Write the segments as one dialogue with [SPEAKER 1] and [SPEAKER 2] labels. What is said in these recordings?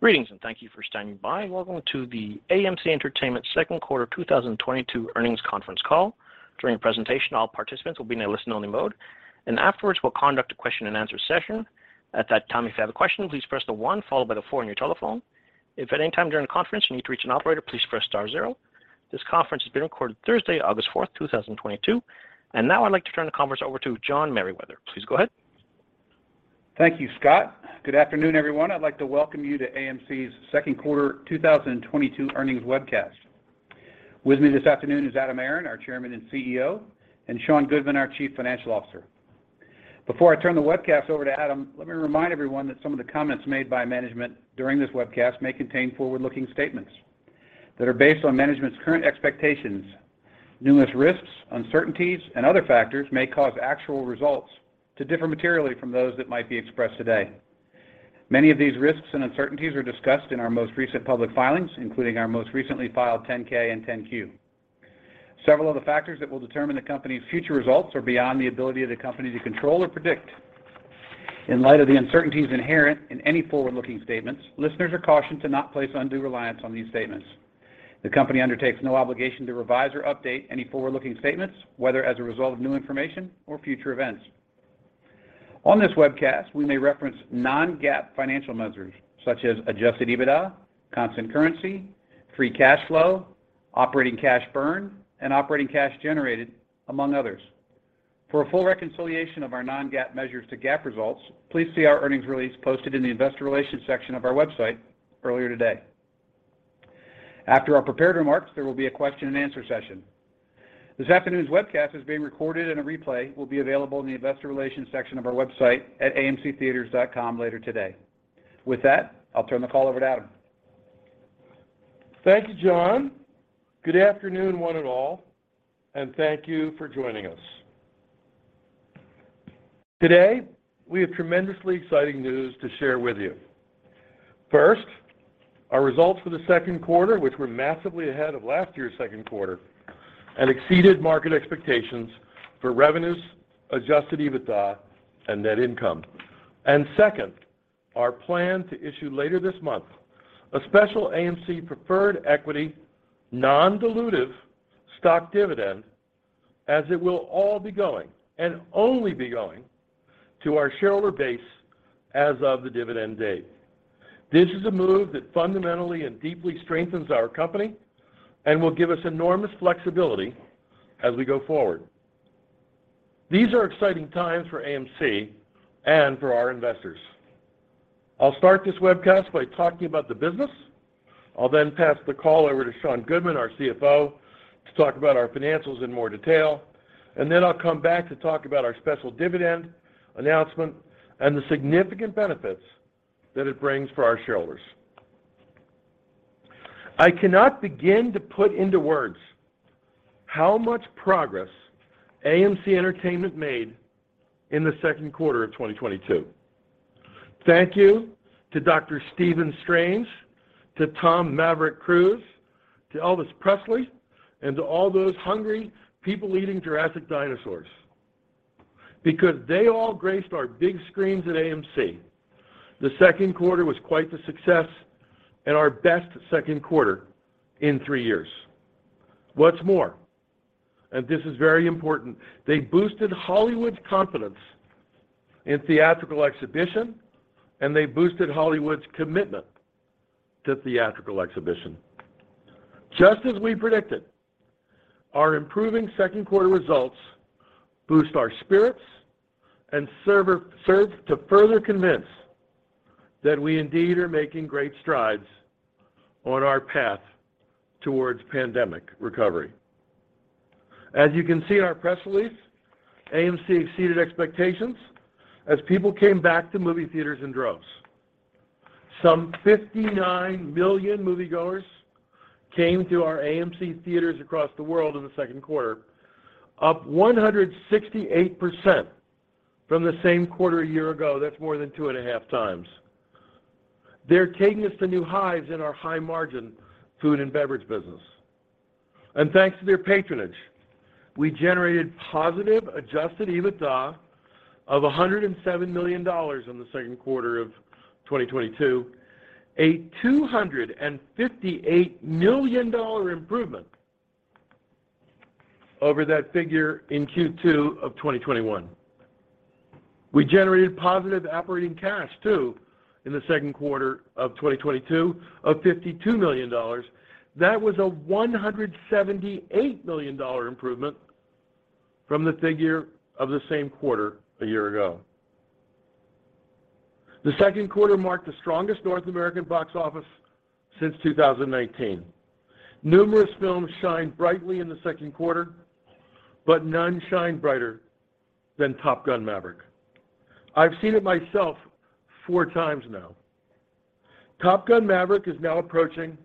[SPEAKER 1] Greetings, and thank you for standing by. Welcome to the AMC Entertainment second quarter 2022 earnings conference call. During the presentation, all participants will be in a listen-only mode, and afterwards, we'll conduct a question-and-answer session. At that time, if you have a question, please press the one followed by the four on your telephone. If at any time during the conference you need to reach an operator, please press star zero. This conference is being recorded Thursday, August 4, 2022. Now I'd like to turn the conference over to John Meriwether. Please go ahead.
[SPEAKER 2] Thank you, Scott. Good afternoon, everyone. I'd like to welcome you to AMC's second quarter 2022 earnings webcast. With me this afternoon is Adam Aron, our chairman and CEO, and Sean Goodman, our Chief Financial Officer. Before I turn the webcast over to Adam, let me remind everyone that some of the comments made by management during this webcast may contain forward-looking statements that are based on management's current expectations. Numerous risks, uncertainties, and other factors may cause actual results to differ materially from those that might be expressed today. Many of these risks and uncertainties are discussed in our most recent public filings, including our most recently filed 10-K and 10-Q. Several of the factors that will determine the company's future results are beyond the ability of the company to control or predict. In light of the uncertainties inherent in any forward-looking statements, listeners are cautioned to not place undue reliance on these statements. The company undertakes no obligation to revise or update any forward-looking statements, whether as a result of new information or future events. On this webcast, we may reference non-GAAP financial measures, such as adjusted EBITDA, constant currency, free cash flow, operating cash burn, and operating cash generated, among others. For a full reconciliation of our non-GAAP measures to GAAP results, please see our earnings release posted in the investor relations section of our website earlier today. After our prepared remarks, there will be a question-and-answer session. This afternoon's webcast is being recorded and a replay will be available in the investor relations section of our website at amctheatres.com later today. With that, I'll turn the call over to Adam.
[SPEAKER 3] Thank you, John. Good afternoon one and all, and thank you for joining us. Today, we have tremendously exciting news to share with you. First, our results for the second quarter, which were massively ahead of last year's second quarter and exceeded market expectations for revenues, adjusted EBITDA, and net income. Second, our plan to issue later this month a special AMC preferred equity non-dilutive stock dividend as it will all be going, and only be going, to our shareholder base as of the dividend date. This is a move that fundamentally and deeply strengthens our company and will give us enormous flexibility as we go forward. These are exciting times for AMC and for our investors. I'll start this webcast by talking about the business. I'll then pass the call over to Sean Goodman, our CFO, to talk about our financials in more detail. Then I'll come back to talk about our special dividend announcement and the significant benefits that it brings for our shareholders. I cannot begin to put into words how much progress AMC Entertainment made in the second quarter of 2022. Thank you to Doctor Stephen Strange, to Tom Cruise, to Elvis Presley, and to Jurassic World Dominion because they all graced our big screens at AMC. The second quarter was quite the success and our best second quarter in three years. What's more, and this is very important, they boosted Hollywood's confidence in theatrical exhibition, and they boosted Hollywood's commitment to theatrical exhibition. Just as we predicted, our improving second quarter results boost our spirits and serves to further convince that we indeed are making great strides on our path towards pandemic recovery. As you can see in our press release, AMC exceeded expectations as people came back to movie theaters in droves. Some 59 million moviegoers came to our AMC theaters across the world in the second quarter, up 168% from the same quarter a year ago. That's more than two and a half times. They're taking us to new highs in our high-margin food and beverage business. Thanks to their patronage, we generated positive adjusted EBITDA of $107 million in the second quarter of 2022, a $258 million improvement over that figure in Q2 of 2021. We generated positive operating cash too in the second quarter of 2022 of $52 million. That was a $178 million improvement from the figure of the same quarter a year ago. The second quarter marked the strongest North American box office since 2019. Numerous films shined brightly in the second quarter, but none shined brighter than Top Gun: Maverick. I've seen it myself four times now. Top Gun: Maverick is now approaching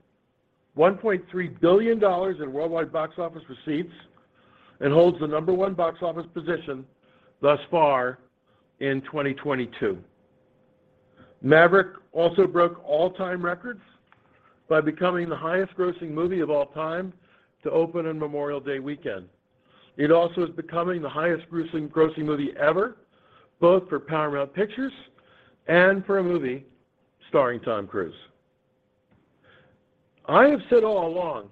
[SPEAKER 3] $1.3 billion in worldwide box office receipts and holds the number one box office position thus far in 2022. Maverick also broke all-time records by becoming the highest grossing movie of all time to open on Memorial Day weekend. It also is becoming the highest grossing movie ever, both for Paramount Pictures and for a movie starring Tom Cruise. I have said all along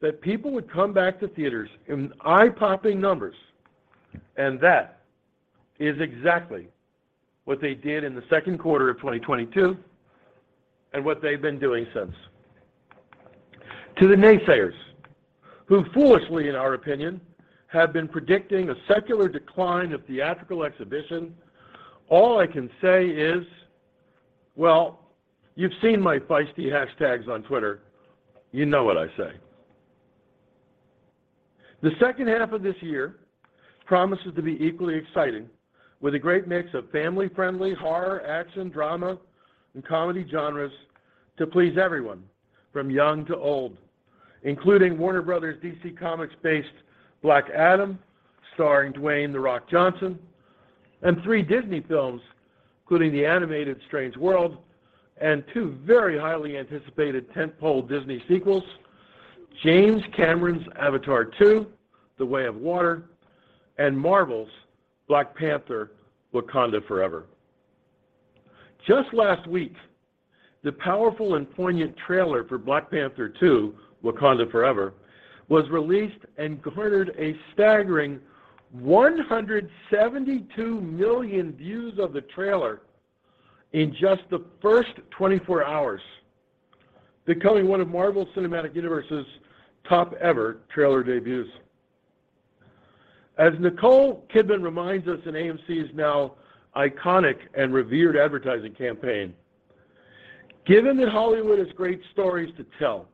[SPEAKER 3] that people would come back to theaters in eye-popping numbers, and that is exactly what they did in the second quarter of 2022 and what they've been doing since. To the naysayers who foolishly, in our opinion, have been predicting a secular decline of theatrical exhibition, all I can say is, well, you've seen my feisty hashtags on Twitter. You know what I say. The second half of this year promises to be equally exciting with a great mix of family-friendly horror, action, drama, and comedy genres to please everyone from young to old, including Warner Bros. DC Comics-based Black Adam starring Dwayne The Rock Johnson, and three Disney films, including the animated Strange World and two very highly anticipated tentpole Disney sequels, James Cameron's Avatar: The Way of Water and Marvel's Black Panther: Wakanda Forever. Just last week, the powerful and poignant trailer for Black Panther: Wakanda Forever was released and garnered a staggering 172 million views of the trailer in just the first 24 hours, becoming one of Marvel Cinematic Universe's top-ever trailer debuts. As Nicole Kidman reminds us in AMC's now iconic and revered advertising campaign, given that Hollywood has great stories to tell,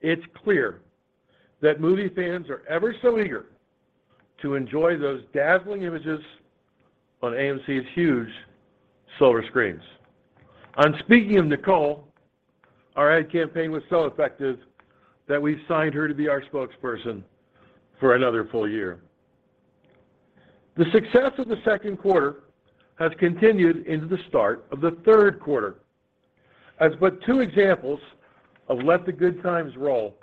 [SPEAKER 3] it's clear that movie fans are ever so eager to enjoy those dazzling images on AMC's huge silver screens. On speaking of Nicole, our ad campaign was so effective that we've signed her to be our spokesperson for another full year. The success of the second quarter has continued into the start of the third quarter as just two examples of let the good times roll.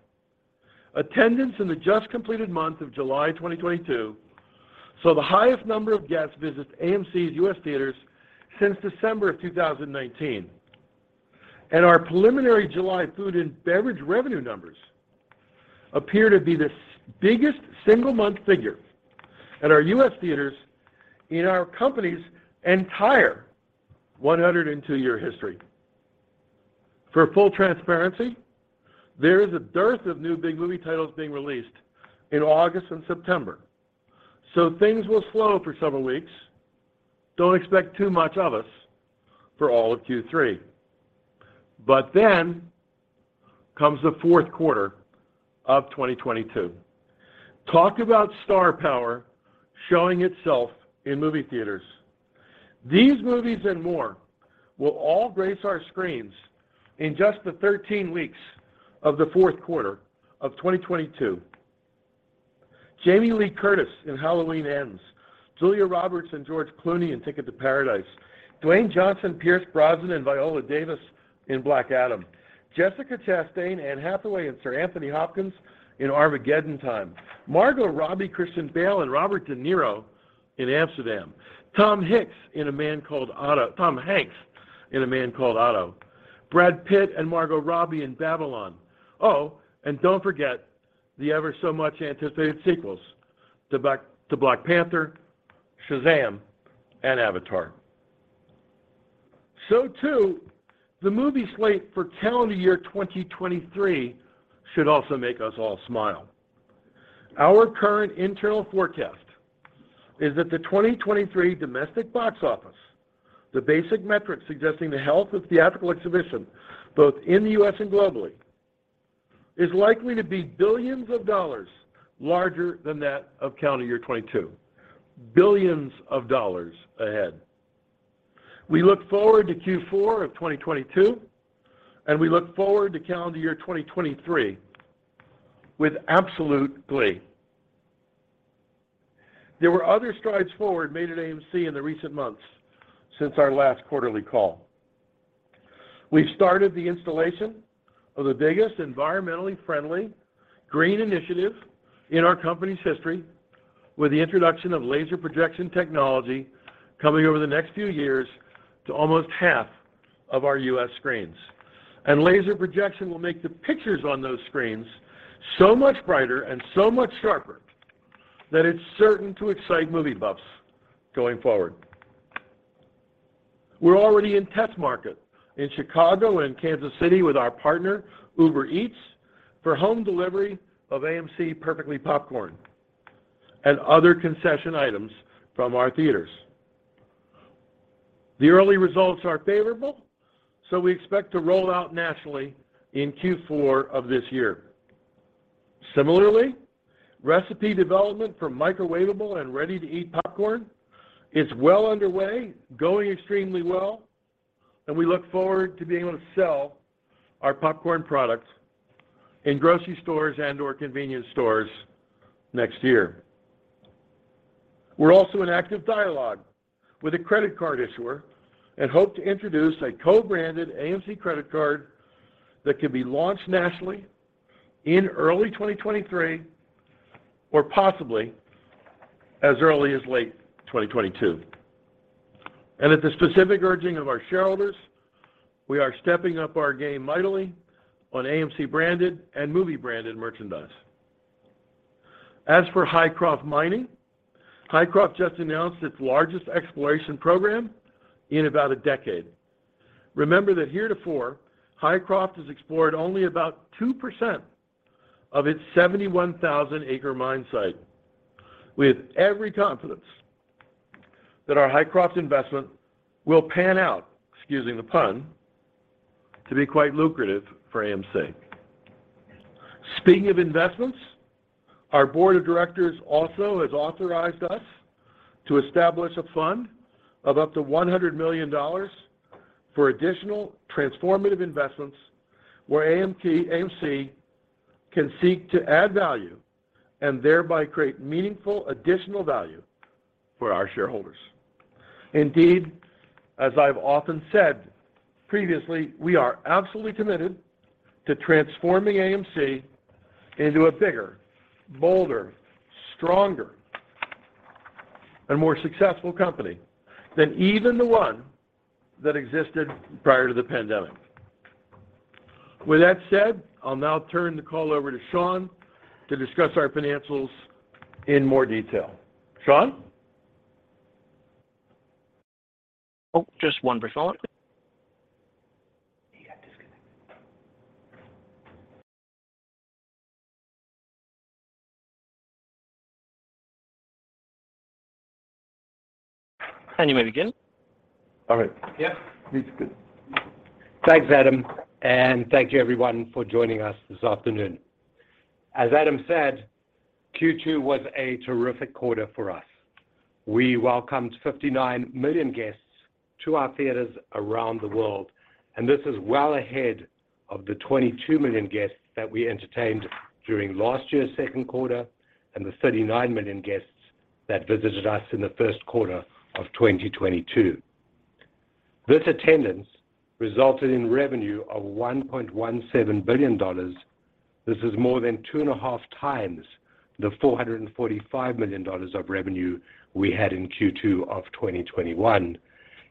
[SPEAKER 3] Attendance in the just-completed month of July 2022 saw the highest number of guests visit AMC's US theaters since December of 2019. Our preliminary July food and beverage revenue numbers appear to be the biggest single-month figure at our US theaters in our company's entire 102-year history. For full transparency, there is a dearth of new big movie titles being released in August and September, so things will slow for several weeks. Don't expect too much of us for all of Q3. Then comes the fourth quarter of 2022. Talk about star power showing itself in movie theaters. These movies and more will all grace our screens in just the 13 weeks of the fourth quarter of 2022. Jamie Lee Curtis in Halloween Ends, Julia Roberts and George Clooney in Ticket to Paradise, Dwayne Johnson, Pierce Brosnan, and Viola Davis in Black Adam, Jessica Chastain, Anne Hathaway, and Sir Anthony Hopkins in Armageddon Time, Margot Robbie, Christian Bale, and Robert De Niro in Amsterdam, Tom Hanks in A Man Called Otto, Brad Pitt and Margot Robbie in Babylon. Oh, and don't forget the ever so much anticipated sequels to Black Panther, Shazam, and Avatar. The movie slate for calendar year 2023 should also make us all smile. Our current internal forecast is that the 2023 domestic box office, the basic metric suggesting the health of theatrical exhibition both in the US and globally, is likely to be billions of dollars larger than that of calendar year 2022. Billions of dollars ahead. We look forward to Q4 of 2022, and we look forward to calendar year 2023 with absolute glee. There were other strides forward made at AMC in the recent months since our last quarterly call. We've started the installation of the biggest environmentally friendly green initiative in our company's history with the introduction of laser projection technology coming over the next few years to almost half of our U.S. screens. Laser projection will make the pictures on those screens so much brighter and so much sharper that it's certain to excite movie buffs going forward. We're already in test market in Chicago and Kansas City with our partner Uber Eats for home delivery of AMC Perfectly Popcorn and other concession items from our theaters. The early results are favorable, so we expect to roll out nationally in Q4 of this year. Similarly, recipe development for microwavable and ready-to-eat popcorn is well underway, going extremely well, and we look forward to being able to sell our popcorn products in grocery stores and or convenience stores next year. We're also in active dialogue with a credit card issuer and hope to introduce a co-branded AMC credit card that can be launched nationally in early 2023, or possibly as early as late 2022. At the specific urging of our shareholders, we are stepping up our game mightily on AMC-branded and movie-branded merchandise. As for Hycroft Mining, Hycroft just announced its largest exploration program in about a decade. Remember that heretofore, Hycroft has explored only about 2% of its 71,000-acre mine site. We have every confidence that our Hycroft investment will pan out, excusing the pun, to be quite lucrative for AMC. Speaking of investments, our board of directors also has authorized us to establish a fund of up to $100 million for additional transformative investments where AMC can seek to add value and thereby create meaningful additional value for our shareholders. Indeed, as I've often said previously, we are absolutely committed to transforming AMC into a bigger, bolder, stronger, and more successful company than even the one that existed prior to the pandemic. With that said, I'll now turn the call over to Sean to discuss our financials in more detail. Sean?
[SPEAKER 1] Oh, just one person.
[SPEAKER 3] He got disconnected.
[SPEAKER 1] You may begin. All right.
[SPEAKER 3] Yeah.
[SPEAKER 4] It's good. Thanks, Adam, and thank you everyone for joining us this afternoon. As Adam said, Q2 was a terrific quarter for us. We welcomed 59 million guests to our theaters around the world, and this is well ahead of the 22 million guests that we entertained during last year's second quarter and the 39 million guests that visited us in the first quarter of 2022. This attendance resulted in revenue of $1.17 billion. This is more than two and a half times the $445 million of revenue we had in Q2 of 2021,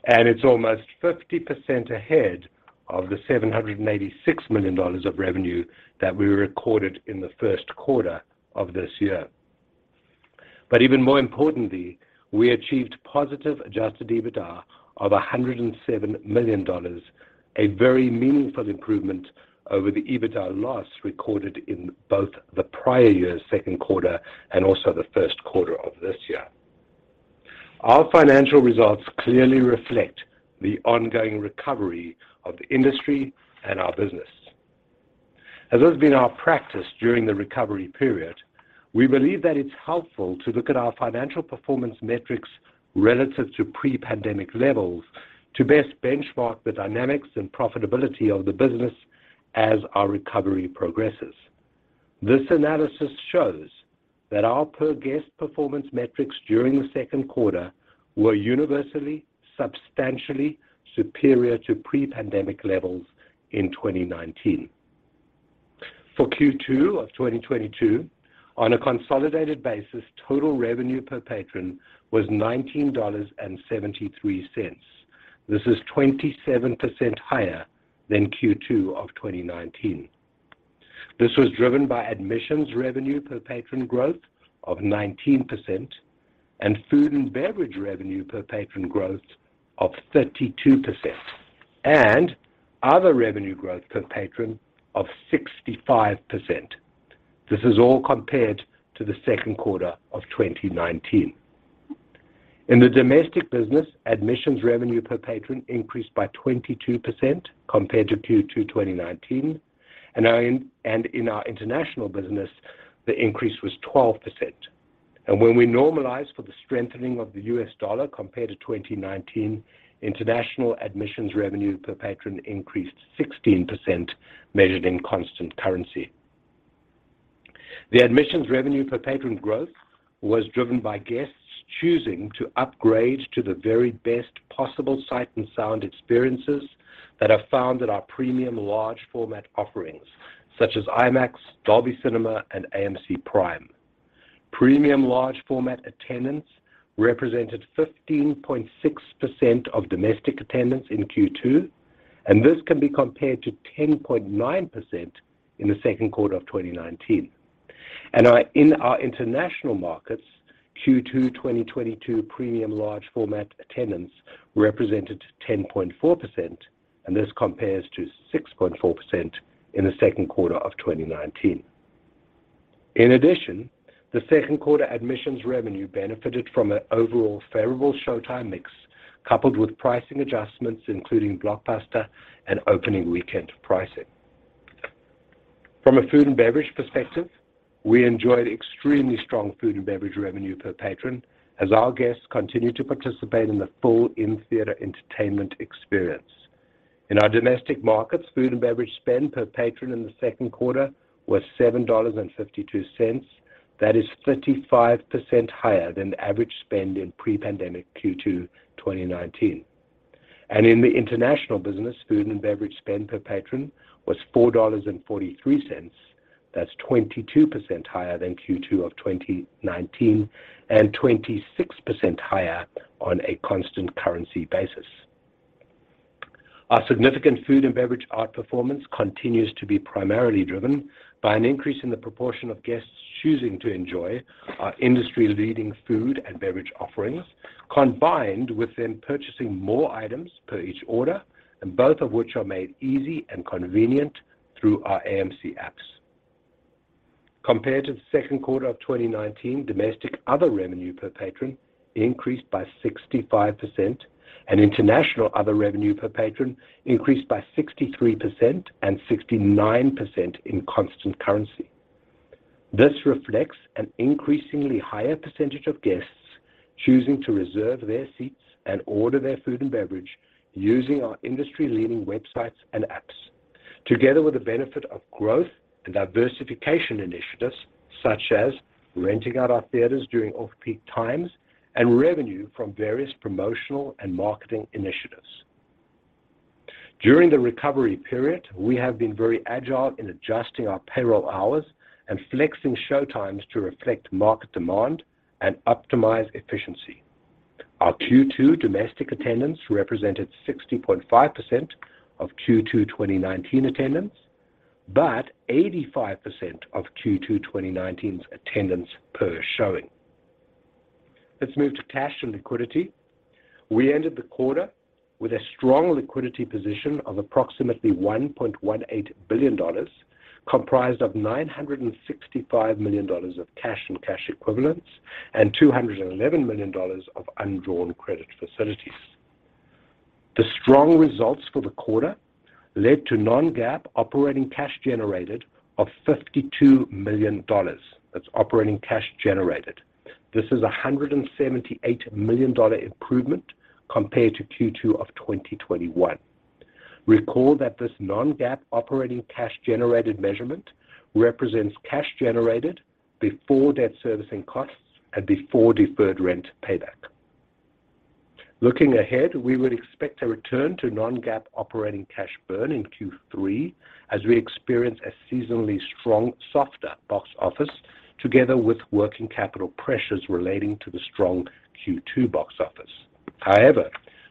[SPEAKER 4] and it's almost 50% ahead of the $786 million of revenue that we recorded in the first quarter of this year. Even more importantly, we achieved positive adjusted EBITDA of $107 million, a very meaningful improvement over the EBITDA loss recorded in both the prior year's second quarter and also the first quarter of this year. Our financial results clearly reflect the ongoing recovery of the industry and our business. As has been our practice during the recovery period, we believe that it's helpful to look at our financial performance metrics relative to pre-pandemic levels to best benchmark the dynamics and profitability of the business as our recovery progresses. This analysis shows that our per-guest performance metrics during the second quarter were universally, substantially superior to pre-pandemic levels in 2019. For Q2 of 2022, on a consolidated basis, total revenue per patron was $19.73. This is 27% higher than Q2 of 2019. This was driven by admissions revenue per patron growth of 19% and food and beverage revenue per patron growth of 32% and other revenue growth per patron of 65%. This is all compared to the second quarter of 2019. In the domestic business, admissions revenue per patron increased by 22% compared to Q2 2019, and our international business, the increase was 12%. When we normalize for the strengthening of the US dollar compared to 2019, international admissions revenue per patron increased 16%, measured in constant currency. The admissions revenue per patron growth was driven by guests choosing to upgrade to the very best possible sight and sound experiences that are found at our premium large-format offerings such as IMAX, Dolby Cinema, and PRIME at AMC. Premium large-format attendance represented 15.6% of domestic attendance in Q2, and this can be compared to 10.9% in the second quarter of 2019. In our international markets, Q2 2022 premium large-format attendance represented 10.4%, and this compares to 6.4% in the second quarter of 2019. In addition, the second quarter admissions revenue benefited from an overall favorable showtime mix coupled with pricing adjustments, including blockbuster and opening weekend pricing. From a food and beverage perspective, we enjoyed extremely strong food and beverage revenue per patron as our guests continued to participate in the full in-theater entertainment experience. In our domestic markets, food and beverage spend per patron in the second quarter was $7.52. That is 35% higher than the average spend in pre-pandemic Q2 2019. In the international business, food and beverage spend per patron was $4.43. That's 22% higher than Q2 of 2019 and 26% higher on a constant currency basis. Our significant food and beverage outperformance continues to be primarily driven by an increase in the proportion of guests choosing to enjoy our industry-leading food and beverage offerings, combined with them purchasing more items per each order, and both of which are made easy and convenient through our AMC apps. Compared to the second quarter of 2019, domestic other revenue per patron increased by 65%, and international other revenue per patron increased by 63% and 69% in constant currency. This reflects an increasingly higher percentage of guests choosing to reserve their seats and order their food and beverage using our industry-leading websites and apps. Together with the benefit of growth and diversification initiatives such as renting out our theaters during off-peak times and revenue from various promotional and marketing initiatives. During the recovery period, we have been very agile in adjusting our payroll hours and flexing showtimes to reflect market demand and optimize efficiency. Our Q2 domestic attendance represented 60.5% of Q2 2019 attendance, but 85% of Q2 2019's attendance per showing. Let's move to cash and liquidity. We ended the quarter with a strong liquidity position of approximately $1.18 billion, comprised of $965 million of cash and cash equivalents and $211 million of undrawn credit facilities. The strong results for the quarter led to non-GAAP operating cash generated of $52 million. That's operating cash generated. This is a $178 million improvement compared to Q2 of 2021. Recall that this non-GAAP operating cash generated measurement represents cash generated before debt servicing costs and before deferred rent payback. Looking ahead, we would expect a return to non-GAAP operating cash burn in Q3 as we experience a seasonally strong softer box office together with working capital pressures relating to the strong Q2 box office. However,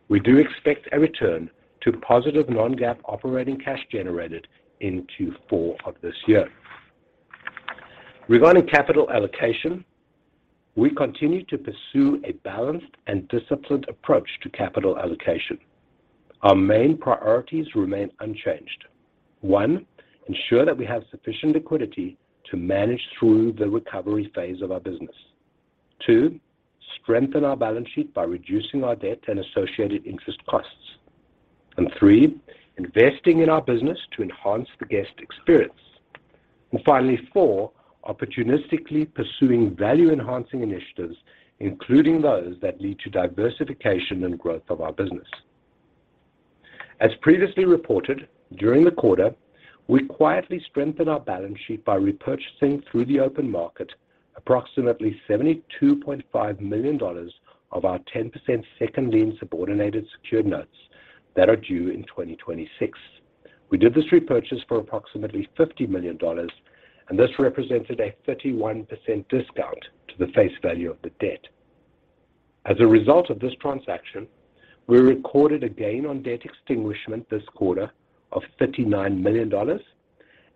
[SPEAKER 4] we do expect a return to positive non-GAAP operating cash generated in Q4 of this year. Regarding capital allocation, we continue to pursue a balanced and disciplined approach to capital allocation. Our main priorities remain unchanged. One, ensure that we have sufficient liquidity to manage through the recovery phase of our business. Two, strengthen our balance sheet by reducing our debt and associated interest costs. Three, investing in our business to enhance the guest experience. Finally, four, opportunistically pursuing value-enhancing initiatives, including those that lead to diversification and growth of our business. As previously reported, during the quarter, we quietly strengthened our balance sheet by repurchasing through the open market approximately $72.5 million of our 10% second lien subordinated secured notes that are due in 2026. We did this repurchase for approximately $50 million, and this represented a 31% discount to the face value of the debt. As a result of this transaction, we recorded a gain on debt extinguishment this quarter of $39 million,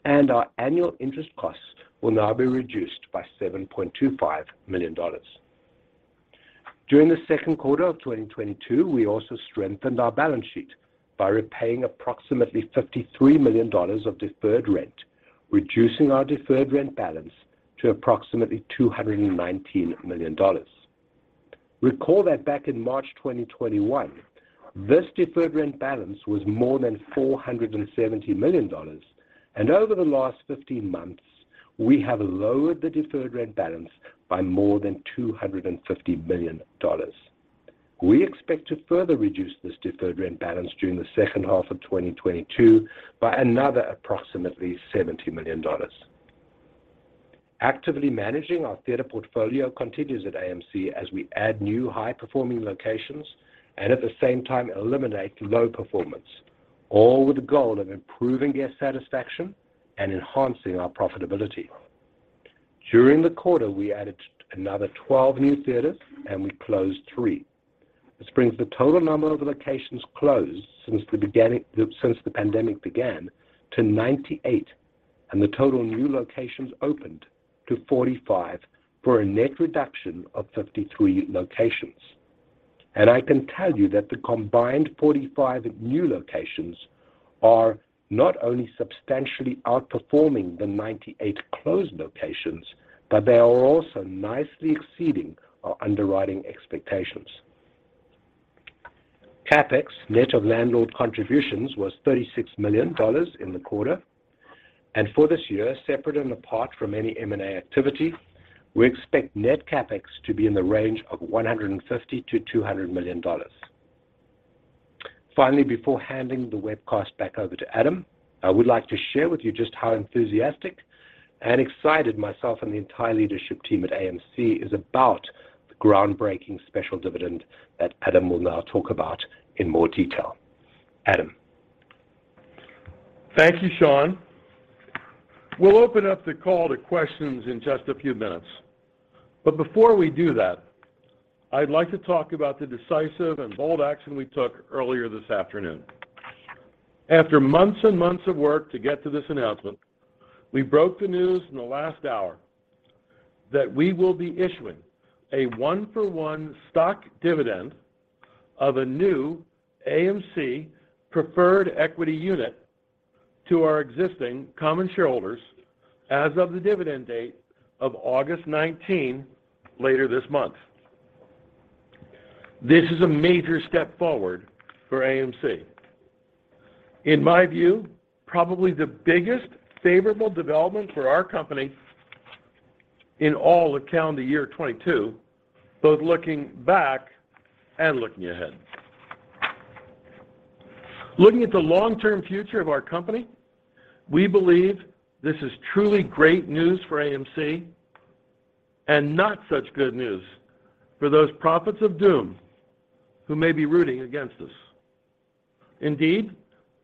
[SPEAKER 4] and our annual interest costs will now be reduced by $7.25 million. During the second quarter of 2022, we also strengthened our balance sheet by repaying approximately $53 million of deferred rent, reducing our deferred rent balance to approximately $219 million. Recall that back in March 2021, this deferred rent balance was more than $470 million, and over the last 15 months, we have lowered the deferred rent balance by more than $250 million. We expect to further reduce this deferred rent balance during the second half of 2022 by another approximately $70 million. Actively managing our theater portfolio continues at AMC as we add new high-performing locations and at the same time eliminate low-performing, all with the goal of improving guest satisfaction and enhancing our profitability. During the quarter, we added another 12 new theaters, and we closed 3. This brings the total number of locations closed since the pandemic began to 98 and the total new locations opened to 45 for a net reduction of 53 locations. I can tell you that the combined 45 new locations are not only substantially outperforming the 98 closed locations, but they are also nicely exceeding our underwriting expectations. CapEx net of landlord contributions was $36 million in the quarter. For this year, separate and apart from any M&A activity, we expect net CapEx to be in the range of $150-$200 million. Finally, before handing the webcast back over to Adam, I would like to share with you just how enthusiastic and excited myself and the entire leadership team at AMC is about the groundbreaking special dividend that Adam will now talk about in more detail. Adam.
[SPEAKER 3] Thank you, Sean. We'll open up the call to questions in just a few minutes. Before we do that, I'd like to talk about the decisive and bold action we took earlier this afternoon. After months and months of work to get to this announcement, we broke the news in the last hour that we will be issuing a one-for-one stock dividend of a new AMC Preferred Equity Unit to our existing common shareholders as of the dividend date of August 19 later this month. This is a major step forward for AMC. In my view, probably the biggest favorable development for our company in all of calendar year 2022, both looking back and looking ahead. Looking at the long-term future of our company, we believe this is truly great news for AMC and not such good news for those prophets of doom who may be rooting against us. Indeed,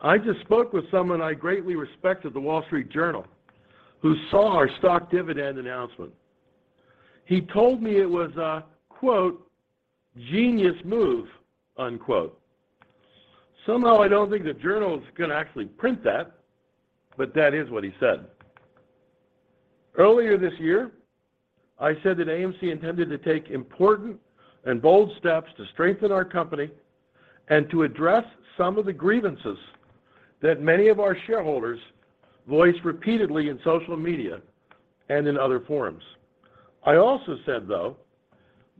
[SPEAKER 3] I just spoke with someone I greatly respect at The Wall Street Journal who saw our stock dividend announcement. He told me it was a quote, "Genius Move," unquote. Somehow, I don't think the Journal is gonna actually print that, but that is what he said. Earlier this year, I said that AMC intended to take important and bold steps to strengthen our company and to address some of the grievances that many of our shareholders voiced repeatedly in social media and in other forums. I also said, though,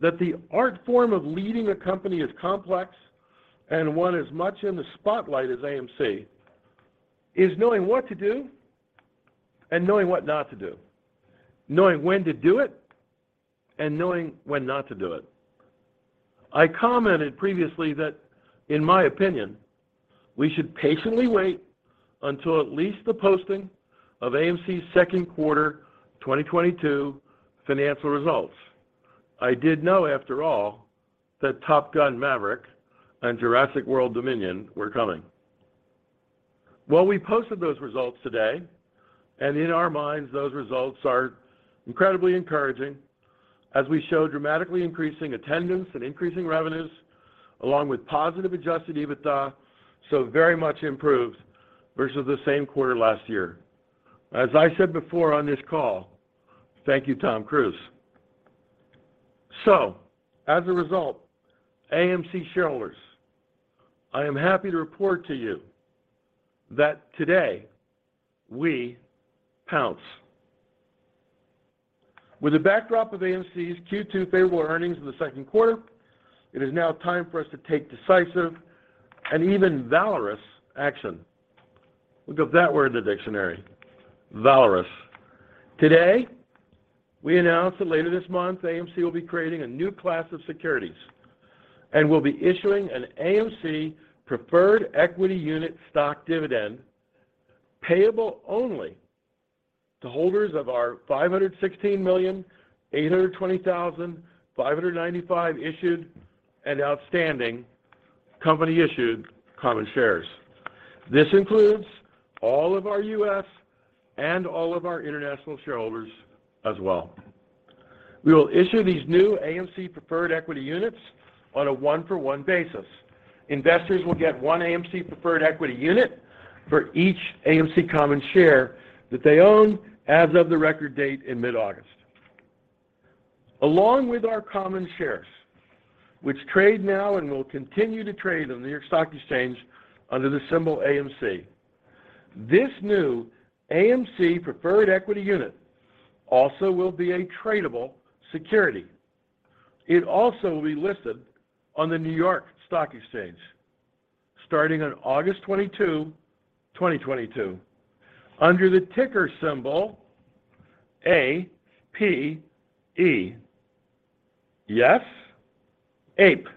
[SPEAKER 3] that the art form of leading a company is complex and one as much in the spotlight as AMC is knowing what to do and knowing what not to do, knowing when to do it and knowing when not to do it. I commented previously that, in my opinion, we should patiently wait until at least the posting of AMC's second quarter 2022 financial results. I did know, after all, that Top Gun: Maverick and Jurassic World Dominion were coming. Well, we posted those results today, and in our minds, those results are incredibly encouraging as we show dramatically increasing attendance and increasing revenues along with positive adjusted EBITDA, so very much improved versus the same quarter last year. As I said before on this call, thank you, Tom Cruise. As a result, AMC shareholders, I am happy to report to you that today we pounce. With the backdrop of AMC's Q2 favorable earnings in the second quarter, it is now time for us to take decisive and even valorous action. Look up that word in the dictionary, valorous. Today, we announce that later this month, AMC will be creating a new class of securities, and we'll be issuing an AMC Preferred Equity Unit stock dividend payable only to holders of our 516,820,595 issued and outstanding company-issued common shares. This includes all of our U.S. and all of our international shareholders as well. We will issue these new AMC Preferred Equity Units on a one-for-one basis. Investors will get one AMC Preferred Equity Unit for each AMC common share that they own as of the record date in mid-August. Along with our common shares, which trade now and will continue to trade on the New York Stock Exchange under the symbol AMC, this new AMC Preferred Equity Unit also will be a tradable security. It also will be listed on the New York Stock Exchange starting on August 22, 2022 under the ticker symbol APE. Yes, APE.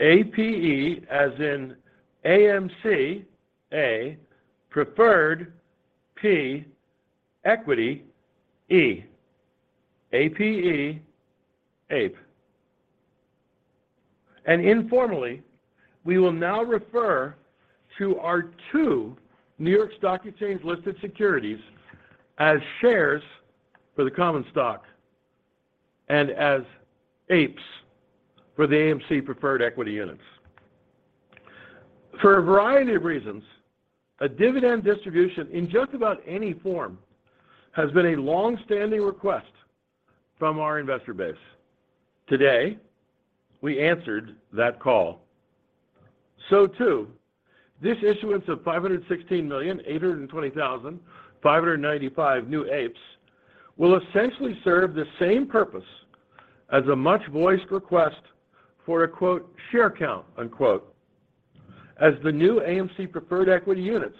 [SPEAKER 3] A-P-E, as in AMC, A, preferred, P, equity, E. A-P-E, APE. Informally, we will now refer to our two New York Stock Exchange-listed securities as shares for the common stock and as APEs for the AMC preferred equity units. For a variety of reasons, a dividend distribution in just about any form has been a long-standing request from our investor base. Today, we answered that call. Too, this issuance of 516,820,595 new APEs will essentially serve the same purpose. As a much-voiced request for a "share count," the new AMC preferred equity units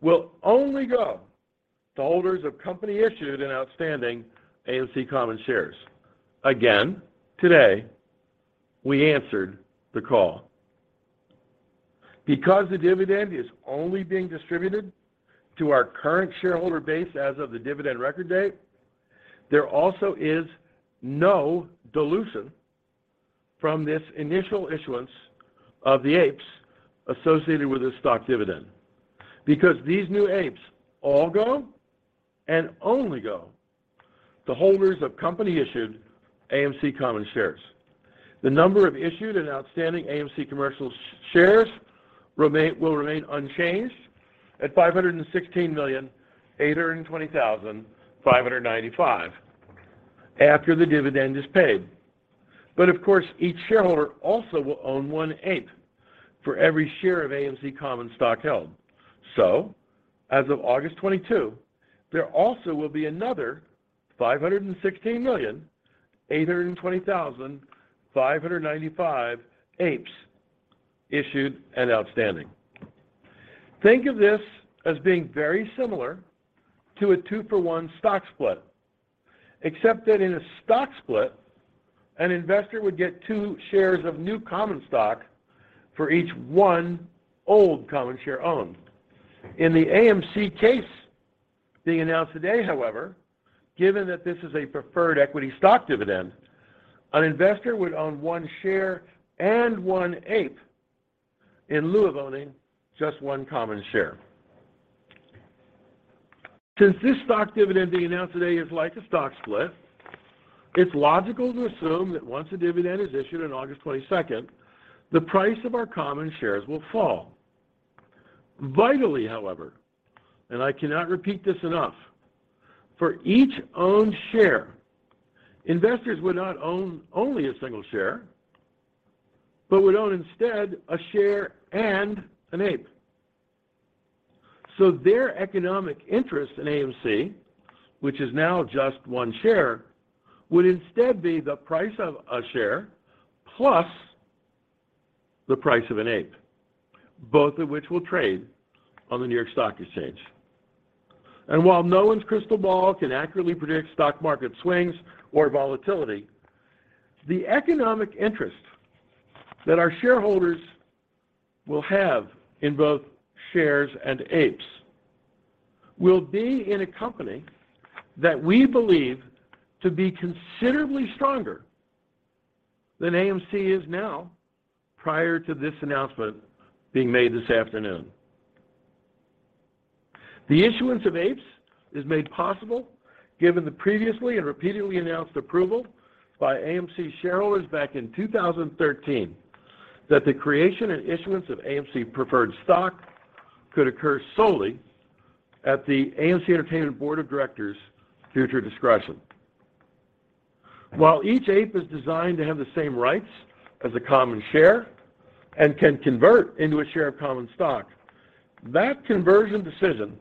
[SPEAKER 3] will only go to holders of company-issued and outstanding AMC common shares. Again, today, we answered the call. Because the dividend is only being distributed to our current shareholder base as of the dividend record date, there also is no dilution from this initial issuance of the APEs associated with this stock dividend. Because these new APEs all go and only go to holders of company-issued AMC common shares. The number of issued and outstanding AMC common shares will remain unchanged at 516,820,595 after the dividend is paid. Of course, each shareholder also will own one APE for every share of AMC common stock held. As of August 22, there also will be another 516,820,595 APEs issued and outstanding. Think of this as being very similar to a two-for-one stock split, except that in a stock split, an investor would get two shares of new common stock for each one old common share owned. In the AMC case being announced today, however, given that this is a preferred equity stock dividend, an investor would own one share and one APE in lieu of owning just one common share. Since this stock dividend being announced today is like a stock split, it's logical to assume that once the dividend is issued on August 22nd, the price of our common shares will fall. Vitally, however, and I cannot repeat this enough, for each owned share, investors would not own only a single share, but would own instead a share and an APE. Their economic interest in AMC, which is now just one share, would instead be the price of a share plus the price of an APE, both of which will trade on the New York Stock Exchange. While no one's crystal ball can accurately predict stock market swings or volatility, the economic interest that our shareholders will have in both shares and APEs will be in a company that we believe to be considerably stronger than AMC is now prior to this announcement being made this afternoon. The issuance of APEs is made possible given the previously and repeatedly announced approval by AMC shareholders back in 2013 that the creation and issuance of AMC preferred stock could occur solely at the AMC Entertainment Board of Directors' future discretion. While each APE is designed to have the same rights as a common share and can convert into a share of common stock, that conversion decision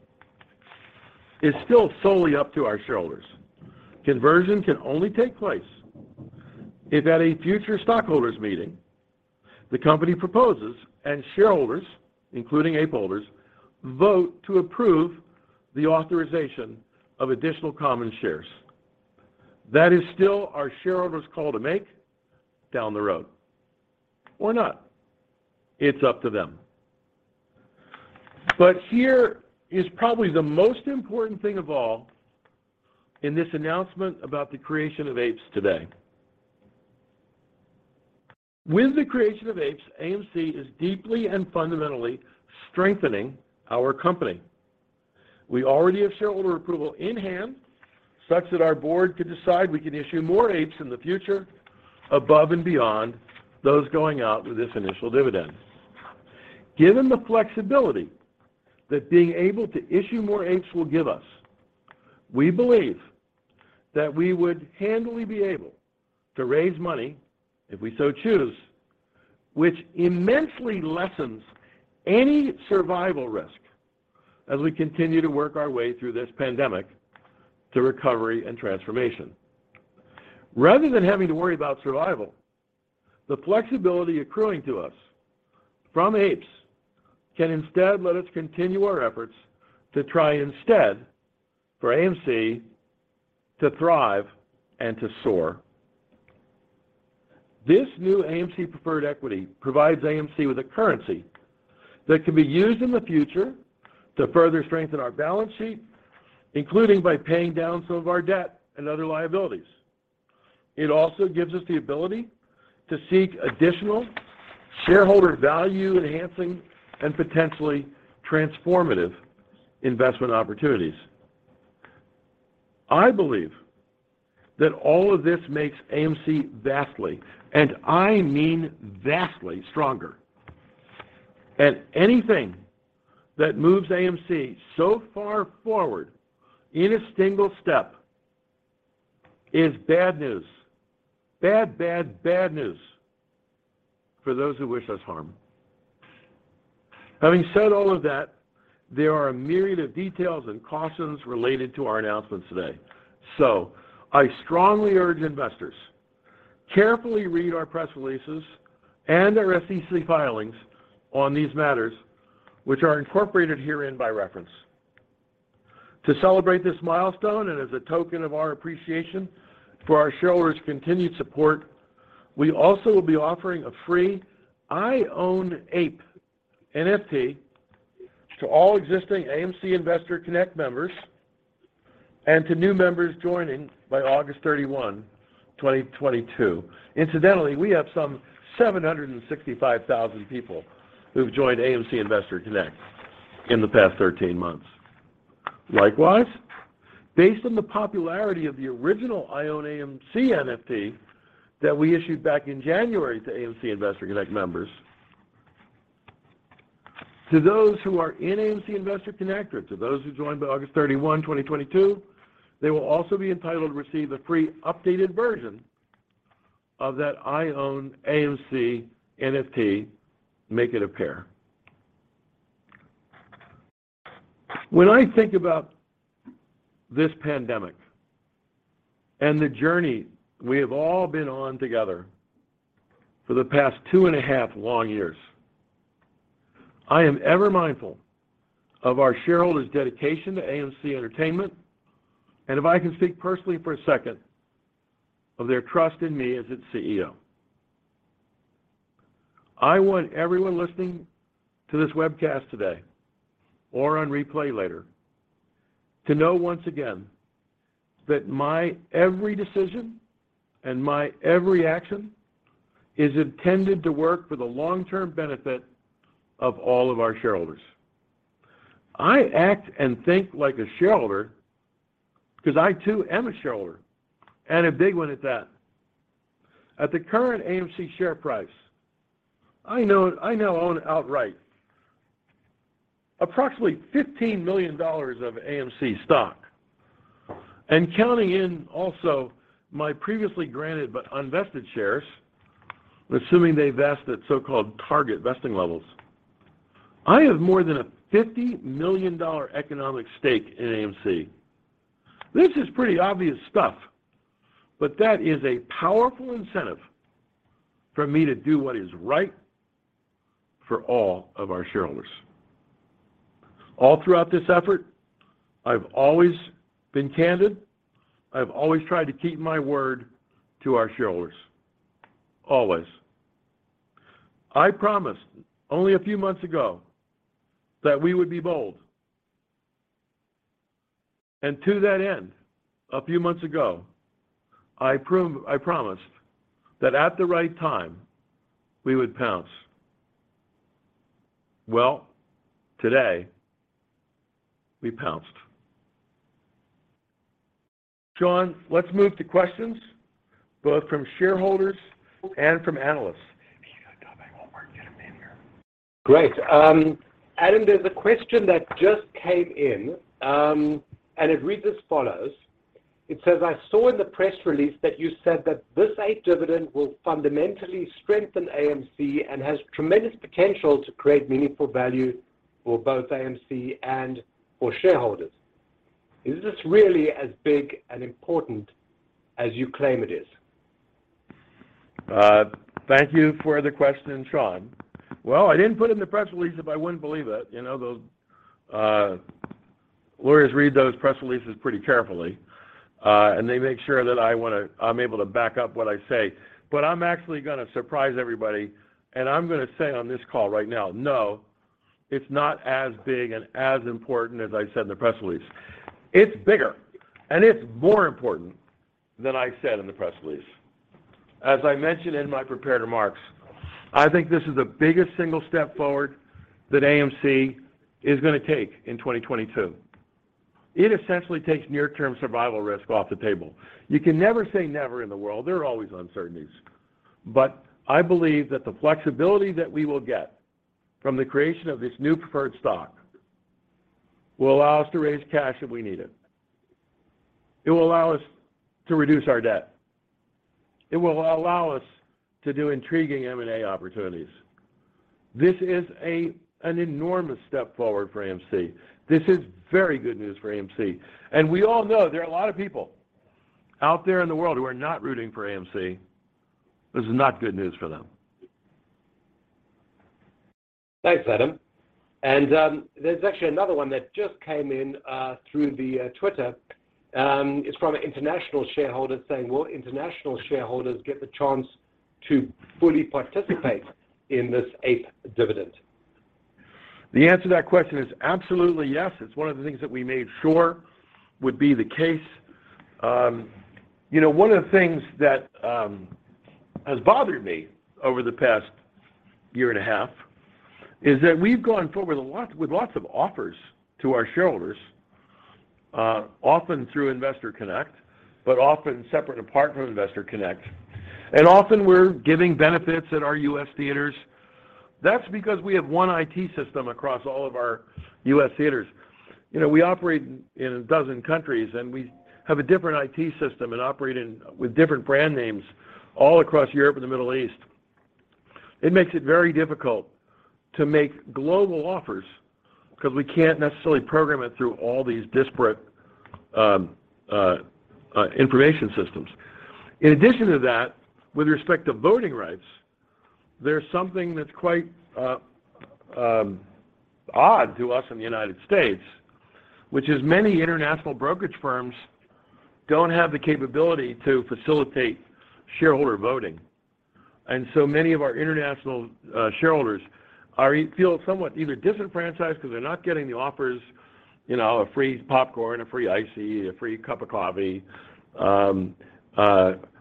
[SPEAKER 3] is still solely up to our shareholders. Conversion can only take place if at a future stockholders meeting the company proposes and shareholders, including APE holders, vote to approve the authorization of additional common shares. That is still our shareholders' call to make down the road. Not. It's up to them. Here is probably the most important thing of all in this announcement about the creation of APEs today. With the creation of APEs, AMC is deeply and fundamentally strengthening our company. We already have shareholder approval in hand such that our board could decide we can issue more APEs in the future above and beyond those going out with this initial dividend. Given the flexibility that being able to issue more APEs will give us, we believe that we would handily be able to raise money, if we so choose, which immensely lessens any survival risk as we continue to work our way through this pandemic to recovery and transformation. Rather than having to worry about survival, the flexibility accruing to us from APEs can instead let us continue our efforts to try instead for AMC to thrive and to soar. This new AMC Preferred Equity provides AMC with a currency that can be used in the future to further strengthen our balance sheet, including by paying down some of our debt and other liabilities. It also gives us the ability to seek additional shareholder value-enhancing and potentially transformative investment opportunities. I believe that all of this makes AMC vastly, and I mean vastly, stronger. Anything that moves AMC so far forward in a single step is bad news, bad, bad news for those who wish us harm. Having said all of that, there are a myriad of details and cautions related to our announcements today. I strongly urge investors carefully read our press releases and our SEC filings on these matters, which are incorporated herein by reference. To celebrate this milestone and as a token of our appreciation for our shareholders' continued support, we also will be offering a free I Own APE NFT to all existing AMC Investor Connect members and to new members joining by August 31, 2022. Incidentally, we have some 765,000 people who've joined AMC Investor Connect in the past 13 months. Likewise, based on the popularity of the original I Own AMC NFT that we issued back in January to AMC Investor Connect members, to those who are in AMC Investor Connect or to those who joined by August 31, 2022, they will also be entitled to receive a free updated version of that I Own AMC NFT, make it a pair. When I think about this pandemic and the journey we have all been on together for the past 2.5 long years, I am ever mindful of our shareholders' dedication to AMC Entertainment, and if I can speak personally for a second, of their trust in me as its CEO. I want everyone listening to this webcast today or on replay later to know once again that my every decision and my every action is intended to work for the long-term benefit of all of our shareholders. I act and think like a shareholder because I too am a shareholder, and a big one at that. At the current AMC share price, I know, I now own outright approximately $15 million of AMC stock. Counting in also my previously granted but unvested shares, assuming they vest at so-called target vesting levels, I have more than a $50 million economic stake in AMC. This is pretty obvious stuff, but that is a powerful incentive for me to do what is right for all of our shareholders. All throughout this effort, I've always been candid. I've always tried to keep my word to our shareholders. Always. I promised only a few months ago that we would be bold. To that end, a few months ago, I promised that at the right time, we would pounce. Well, today, we pounced. Sean, let's move to questions, both from shareholders and from analysts.
[SPEAKER 1] Can you tell my homework to get him in here?
[SPEAKER 4] Great. Adam, there's a question that just came in, and it reads as follows. It says, "I saw in the press release that you said that this APE dividend will fundamentally strengthen AMC and has tremendous potential to create meaningful value for both AMC and for shareholders. Is this really as big and important as you claim it is?
[SPEAKER 3] Thank you for the question, Sean. Well, I didn't put it in the press release if I wouldn't believe it. You know, the lawyers read those press releases pretty carefully, and they make sure that I'm able to back up what I say. I'm actually gonna surprise everybody, and I'm gonna say on this call right now, no, it's not as big and as important as I said in the press release. It's bigger, and it's more important than I said in the press release. As I mentioned in my prepared remarks, I think this is the biggest single step forward that AMC is gonna take in 2022. It essentially takes near-term survival risk off the table. You can never say never in the world. There are always uncertainties. I believe that the flexibility that we will get from the creation of this new preferred stock will allow us to raise cash if we need it. It will allow us to reduce our debt. It will allow us to do intriguing M&A opportunities. This is an enormous step forward for AMC. This is very good news for AMC. We all know there are a lot of people out there in the world who are not rooting for AMC. This is not good news for them.
[SPEAKER 4] Thanks, Adam. There's actually another one that just came in through the Twitter. It's from an international shareholder saying, "Will international shareholders get the chance to fully participate in this APE dividend?
[SPEAKER 3] The answer to that question is absolutely yes. It's one of the things that we made sure would be the case. You know, one of the things that has bothered me over the past year and a half is that we've gone forward with lots of offers to our shareholders, often through Investor Connect, but often separate and apart from Investor Connect. Often we're giving benefits at our U.S. Theaters. That's because we have one IT system across all of our U.S. Theaters. You know, we operate in a dozen countries, and we have a different IT system and operate with different brand names all across Europe and the Middle East. It makes it very difficult to make global offers because we can't necessarily program it through all these disparate information systems. In addition to that, with respect to voting rights, there's something that's quite odd to us in the United States, which is many international brokerage firms don't have the capability to facilitate shareholder voting. Many of our international shareholders feel somewhat either disenfranchised because they're not getting the offers, you know, a free popcorn, a free ICEE, a free cup of coffee,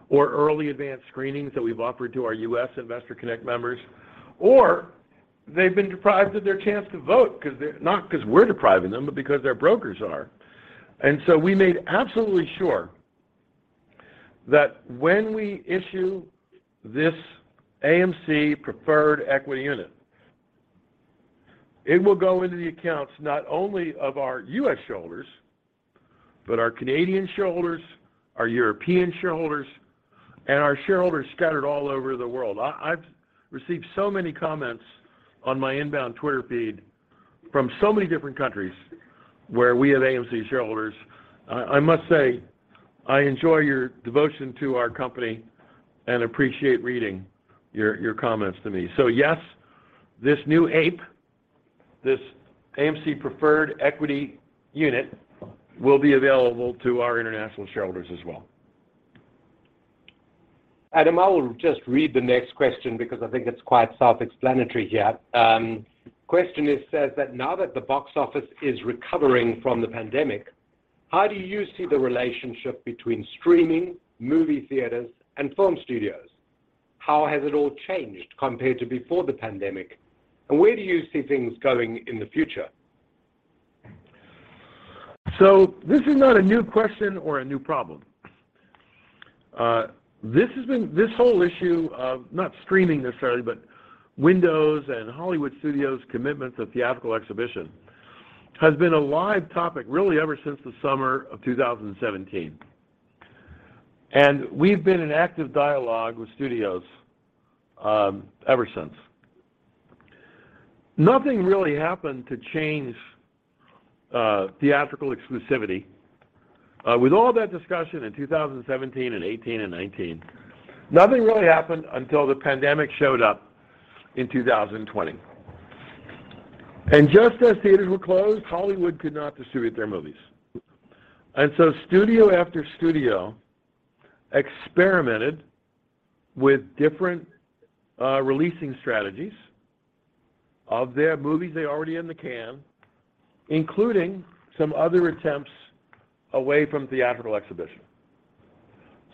[SPEAKER 3] or early advanced screenings that we've offered to our U.S. AMC Investor Connect members, or they've been deprived of their chance to vote because they're not because we're depriving them, but because their brokers are. We made absolutely sure that when we issue this AMC Preferred Equity Unit, it will go into the accounts not only of our U.S. shareholders, but our Canadian shareholders, our European shareholders, and our shareholders scattered all over the world. I've received so many comments on my inbound Twitter feed from so many different countries where we have AMC shareholders. I must say, I enjoy your devotion to our company and appreciate reading your comments to me. Yes, this new APE, this AMC Preferred Equity Unit, will be available to our international shareholders as well.
[SPEAKER 4] Adam, I will just read the next question because I think it's quite self-explanatory here. Question says that, "Now that the box office is recovering from the pandemic, how do you see the relationship between streaming, movie theaters, and film studios? How has it all changed compared to before the pandemic, and where do you see things going in the future?
[SPEAKER 3] This is not a new question or a new problem. This has been this whole issue of, not streaming necessarily, but windows and Hollywood studios' commitments to theatrical exhibition has been a live topic really ever since the summer of 2017. We've been in active dialogue with studios ever since. Nothing really happened to change theatrical exclusivity. With all that discussion in 2017 and 2018 and 2019, nothing really happened until the pandemic showed up in 2020. Just as theaters were closed, Hollywood could not distribute their movies. Studio after studio experimented with different releasing strategies of their movies they already had in the can, including some other attempts away from theatrical exhibition.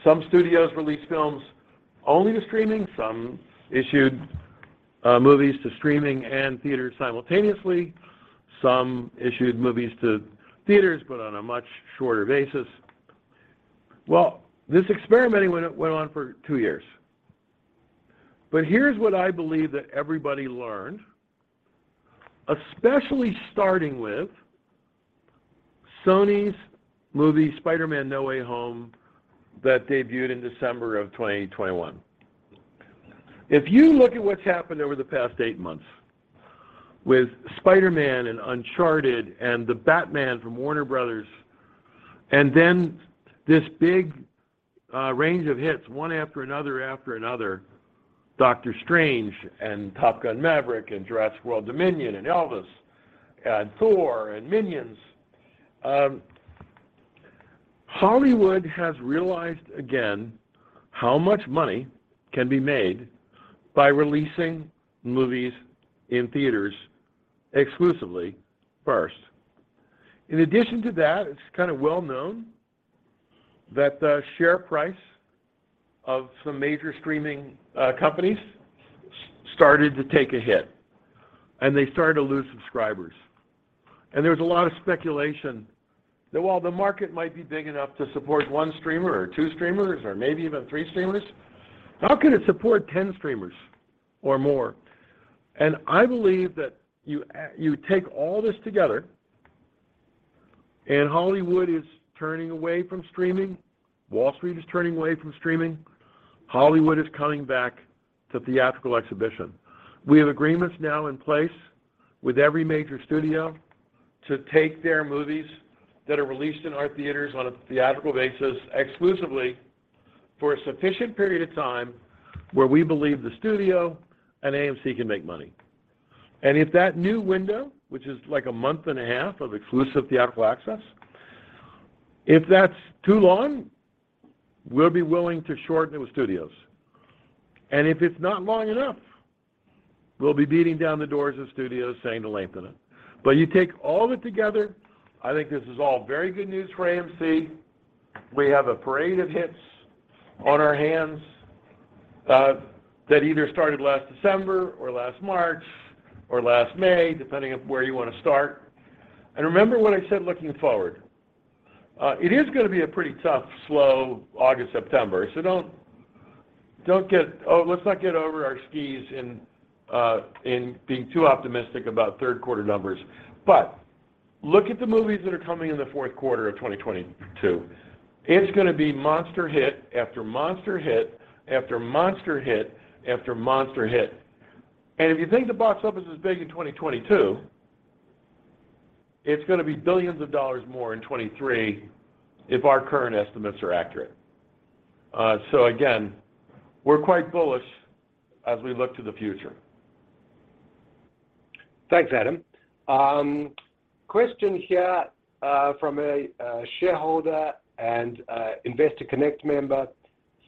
[SPEAKER 3] Some studios released films only to streaming. Some issued movies to streaming and theater simultaneously. Some issued movies to theaters, but on a much shorter basis. This experimenting went on for 2 years. Here's what I believe that everybody learned, especially starting with Sony's movie, Spider-Man: No Way Home, that debuted in December of 2021. If you look at what's happened over the past 8 months with Spider-Man and Uncharted and The Batman from Warner Bros., and then this big range of hits, one after another, Doctor Strange and Top Gun: Maverick and Jurassic World Dominion and Elvis and Thor and Minions, Hollywood has realized again how much money can be made by releasing movies in theaters exclusively first. In addition to that, it's kind of well-known that the share price of some major streaming companies started to take a hit, and they started to lose subscribers. There was a lot of speculation that while the market might be big enough to support one streamer or two streamers or maybe even three streamers, how could it support ten streamers or more? I believe that you take all this together and Hollywood is turning away from streaming, Wall Street is turning away from streaming, Hollywood is coming back to theatrical exhibition. We have agreements now in place with every major studio to take their movies that are released in our theaters on a theatrical basis exclusively for a sufficient period of time where we believe the studio and AMC can make money. If that new window, which is like a month and a half of exclusive theatrical access, if that's too long, we'll be willing to shorten it with studios. If it's not long enough, we'll be beating down the doors of studios saying to lengthen it. You take all of it together, I think this is all very good news for AMC. We have a parade of hits on our hands that either started last December or last March or last May, depending on where you want to start. Remember what I said looking forward. It is gonna be a pretty tough, slow August, September, so let's not get over our skis in being too optimistic about third quarter numbers. Look at the movies that are coming in the fourth quarter of 2022. It's gonna be monster hit after monster hit after monster hit after monster hit. If you think the box office is big in 2022, it's gonna be $ billions more in 2023 if our current estimates are accurate. Again, we're quite bullish as we look to the future.
[SPEAKER 4] Thanks, Adam. Question here from a shareholder and a Investor Connect member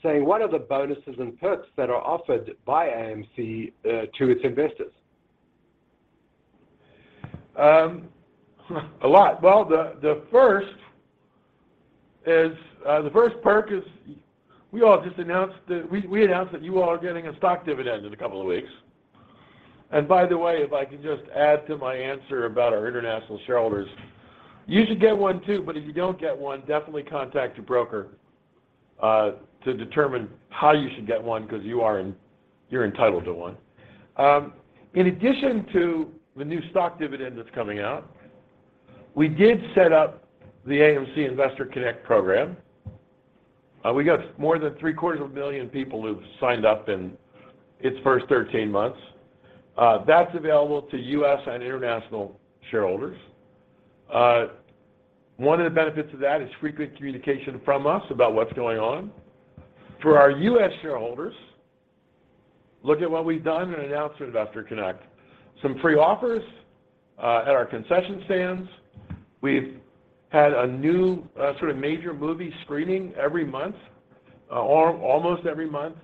[SPEAKER 4] saying, "What are the bonuses and perks that are offered by AMC to its investors?
[SPEAKER 3] A lot. The first perk is we just announced that you all are getting a stock dividend in a couple of weeks. By the way, if I could just add to my answer about our international shareholders, you should get one too, but if you don't get one, definitely contact your broker to determine how you should get one, because you're entitled to one. In addition to the new stock dividend that's coming out, we did set up the AMC Investor Connect program. We got more than three-quarters of a million people who've signed up in its first 13 months. That's available to U.S. and international shareholders. One of the benefits of that is frequent communication from us about what's going on. For our U.S. shareholders, look at what we've done and announced through Investor Connect. Some free offers at our concession stands. We've had a new, sort of major movie screening every month, almost every month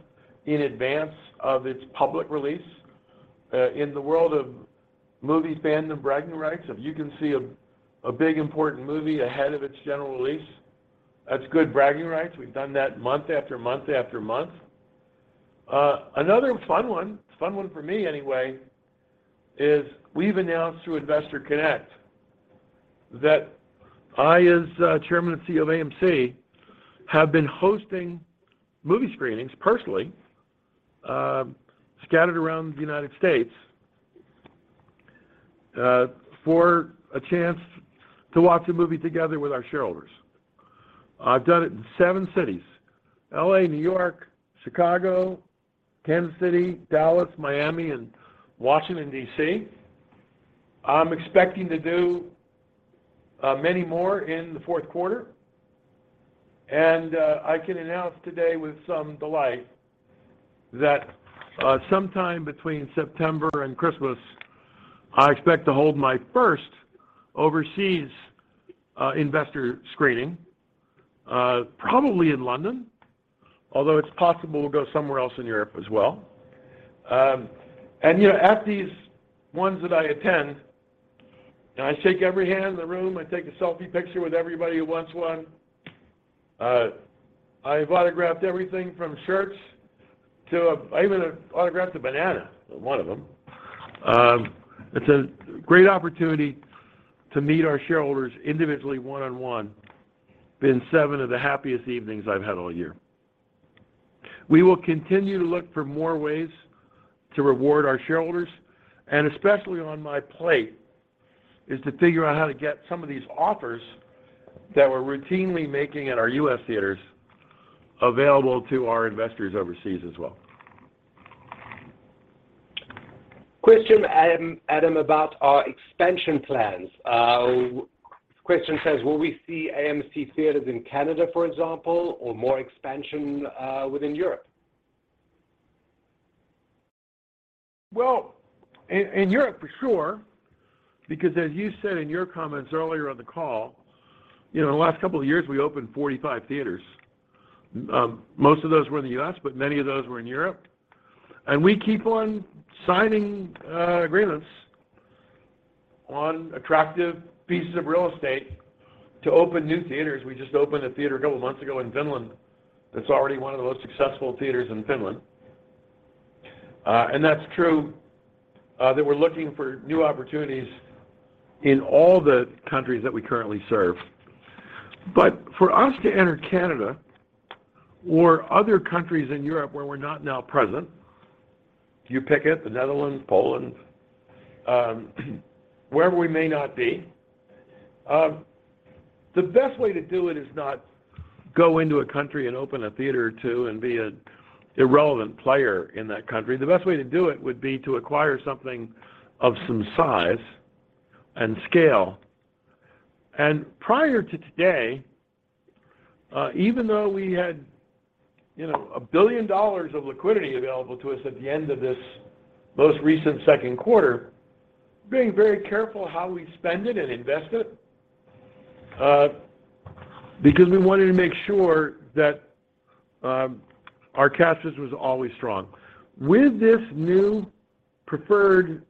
[SPEAKER 3] in advance of its public release. In the world of movies, fans and bragging rights, if you can see a big important movie ahead of its general release, that's good bragging rights. We've done that month after month after month. Another fun one for me anyway, is we've announced through Investor Connect that I, as Chairman and CEO of AMC, have been hosting movie screenings personally, scattered around the United States, for a chance to watch a movie together with our shareholders. I've done it in seven cities, L.A., New York, Chicago, Kansas City, Dallas, Miami, and Washington, D.C. I'm expecting to do many more in the fourth quarter, and I can announce today with some delight that sometime between September and Christmas, I expect to hold my first overseas investor screening, probably in London, although it's possible we'll go somewhere else in Europe as well. You know, at these ones that I attend, I shake every hand in the room. I take a selfie picture with everybody who wants one. I've autographed everything from shirts to a banana. I even autographed a banana, one of them. It's a great opportunity to meet our shareholders individually one-on-one. Been seven of the happiest evenings I've had all year. We will continue to look for more ways to reward our shareholders, and especially on my plate is to figure out how to get some of these offers that we're routinely making at our U.S. theaters available to our investors overseas as well.
[SPEAKER 4] Question, Adam, about our expansion plans. Question says, "Will we see AMC Theatres in Canada, for example, or more expansion within Europe?
[SPEAKER 3] Well, in Europe for sure, because as you said in your comments earlier on the call, you know, in the last couple of years, we opened 45 theaters. Most of those were in the U.S., but many of those were in Europe. We keep on signing agreements on attractive pieces of real estate to open new theaters. We just opened a theater a couple months ago in Finland that's already one of the most successful theaters in Finland. That's true that we're looking for new opportunities in all the countries that we currently serve. For us to enter Canada or other countries in Europe where we're not now present, you pick it, the Netherlands, Poland, wherever we may not be, the best way to do it is not go into a country and open a theater or two and be an irrelevant player in that country. The best way to do it would be to acquire something of some size and scale. Prior to today, even though we had, you know, $1 billion of liquidity available to us at the end of this most recent second quarter, we're being very careful how we spend it and invest it, because we wanted to make sure that our cash reserve was always strong. With this new preferred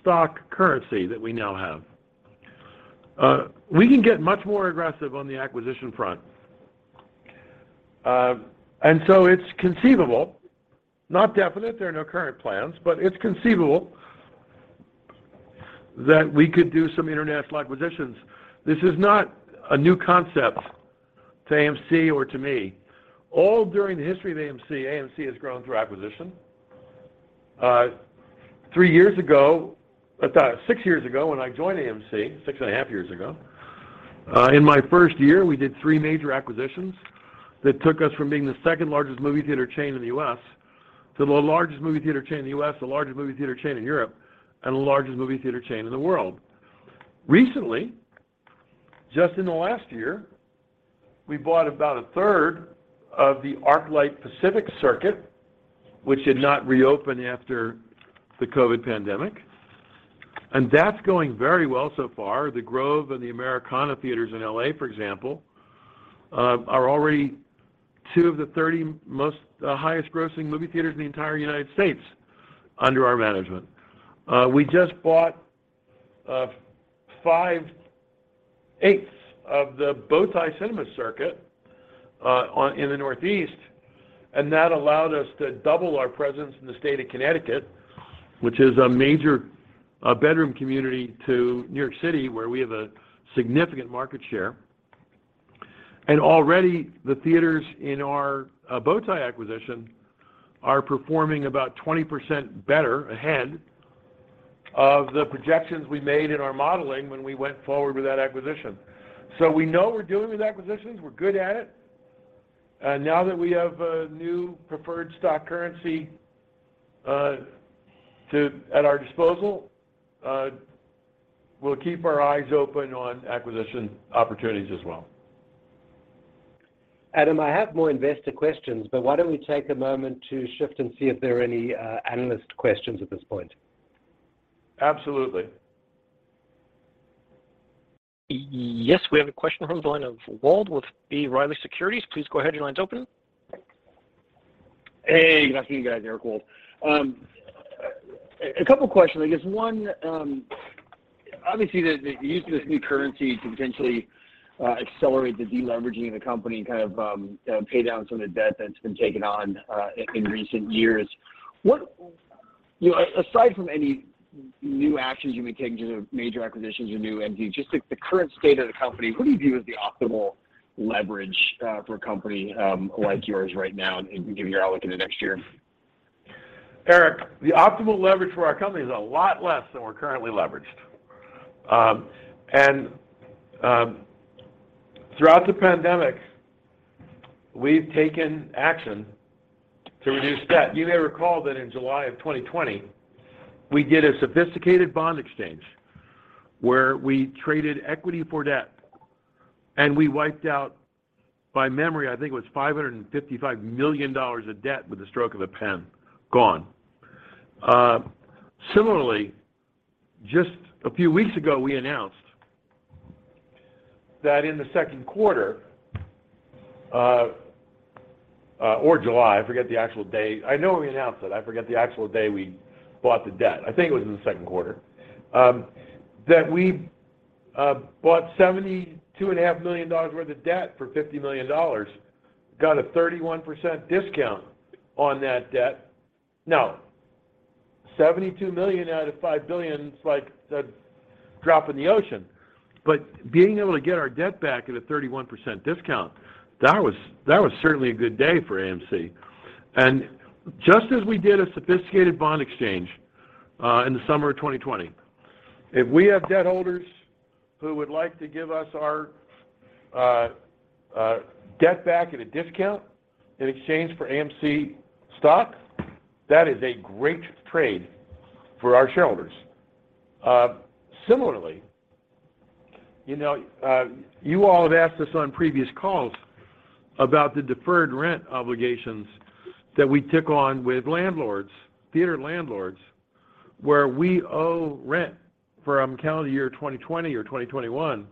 [SPEAKER 3] stock currency that we now have, we can get much more aggressive on the acquisition front. It's conceivable, not definite, there are no current plans, but it's conceivable that we could do some international acquisitions. This is not a new concept to AMC or to me. All during the history of AMC has grown through acquisition. Three years ago, six years ago when I joined AMC, six and a half years ago, in my first year, we did three major acquisitions that took us from being the second-largest movie theater chain in the U.S. to the largest movie theater chain in the U.S., the largest movie theater chain in Europe, and the largest movie theater chain in the world. Recently, just in the last year, we bought about a third of the ArcLight Pacific circuit, which did not reopen after the COVID pandemic. That's going very well so far. The Grove and the Americana theaters in L.A., for example, are already two of the 30 most highest-grossing movie theaters in the entire United States under our management. We just bought five-eighths of the Bow Tie Cinemas circuit in the northeast, and that allowed us to double our presence in the state of Connecticut, which is a major bedroom community to New York City, where we have a significant market share. Already, the theaters in our Bow Tie acquisition are performing about 20% better ahead of the projections we made in our modeling when we went forward with that acquisition. We know we're dealing with acquisitions. We're good at it. Now that we have a new preferred stock currency to at our disposal, we'll keep our eyes open on acquisition opportunities as well.
[SPEAKER 4] Adam, I have more investor questions, but why don't we take a moment to shift and see if there are any, analyst questions at this point?
[SPEAKER 3] Absolutely.
[SPEAKER 1] Yes, we have a question on the line of Wold with B. Riley Securities. Please go ahead. Your line's open.
[SPEAKER 5] Hey, good afternoon, guys. Eric Wold. A couple questions. I guess one, obviously, the use of this new currency to potentially accelerate the deleveraging of the company and kind of pay down some of the debt that's been taken on in recent years. You know, aside from any new actions you may take in terms of major acquisitions or new M&A, just like the current state of the company, what do you view as the optimal leverage for a company like yours right now and given your outlook into next year?
[SPEAKER 3] Eric, the optimal leverage for our company is a lot less than we're currently leveraged. Throughout the pandemic, we've taken action to reduce debt. You may recall that in July of 2020, we did a sophisticated bond exchange where we traded equity for debt, and we wiped out, by memory, I think it was $555 million of debt with the stroke of a pen, gone. Similarly, just a few weeks ago, we announced that in the second quarter, or July, I forget the actual day. I know we announced it. I forget the actual day we bought the debt. I think it was in the second quarter, that we bought $72.5 million worth of debt for $50 million, got a 31% discount on that debt. Now, $72 million out of $5 billion is like a drop in the ocean. Being able to get our debt back at a 31% discount, that was certainly a good day for AMC. Just as we did a sophisticated bond exchange in the summer of 2020, if we have debt holders who would like to give us our debt back at a discount in exchange for AMC stock, that is a great trade for our shareholders. Similarly, you know, you all have asked us on previous calls about the deferred rent obligations that we took on with landlords, theater landlords, where we owe rent from calendar year 2020 or 2021,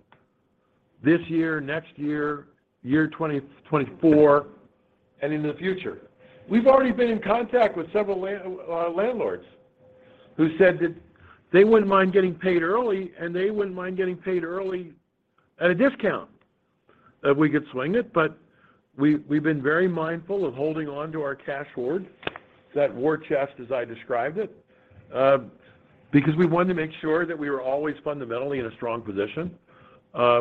[SPEAKER 3] this year, next year 2024, and into the future. We've already been in contact with several landlords who said that they wouldn't mind getting paid early, and they wouldn't mind getting paid early at a discount if we could swing it. We've been very mindful of holding on to our cash hoard, that war chest as I described it, because we wanted to make sure that we were always fundamentally in a strong position,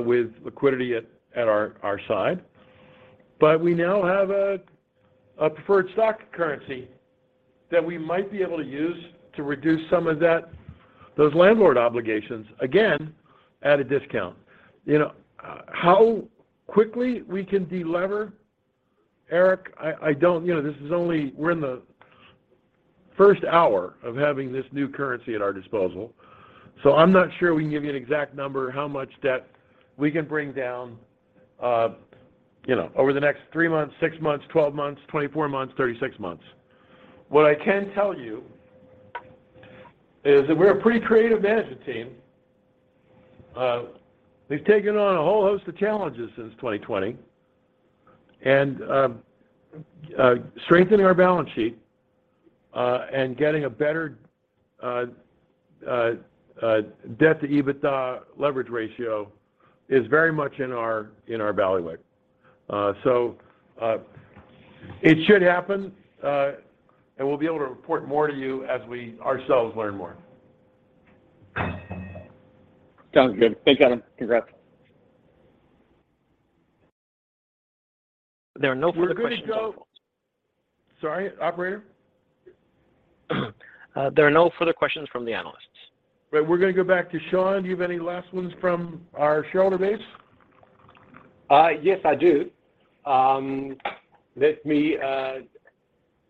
[SPEAKER 3] with liquidity at our side. We now have a preferred stock currency that we might be able to use to reduce some of that, those landlord obligations, again, at a discount. You know, how quickly we can delever, Eric, I don't. You know, this is only. We're in the first hour of having this new currency at our disposal, so I'm not sure we can give you an exact number how much debt we can bring down, you know, over the next three months, six months, 12 months, 24 months, 36 months. What I can tell you is that we're a pretty creative management team. We've taken on a whole host of challenges since 2020, and strengthening our balance sheet and getting a better debt-to-EBITDA leverage ratio is very much in our bailiwick. It should happen, and we'll be able to report more to you as we ourselves learn more.
[SPEAKER 4] Sounds good. Thanks, Adam. Congrats.
[SPEAKER 1] There are no further questions from the analysts.
[SPEAKER 3] Sorry, operator?
[SPEAKER 1] There are no further questions from the Analysts.
[SPEAKER 3] Right. We're gonna go back to Sean. Do you have any last ones from our shareholder base?
[SPEAKER 4] Yes, I do. Let me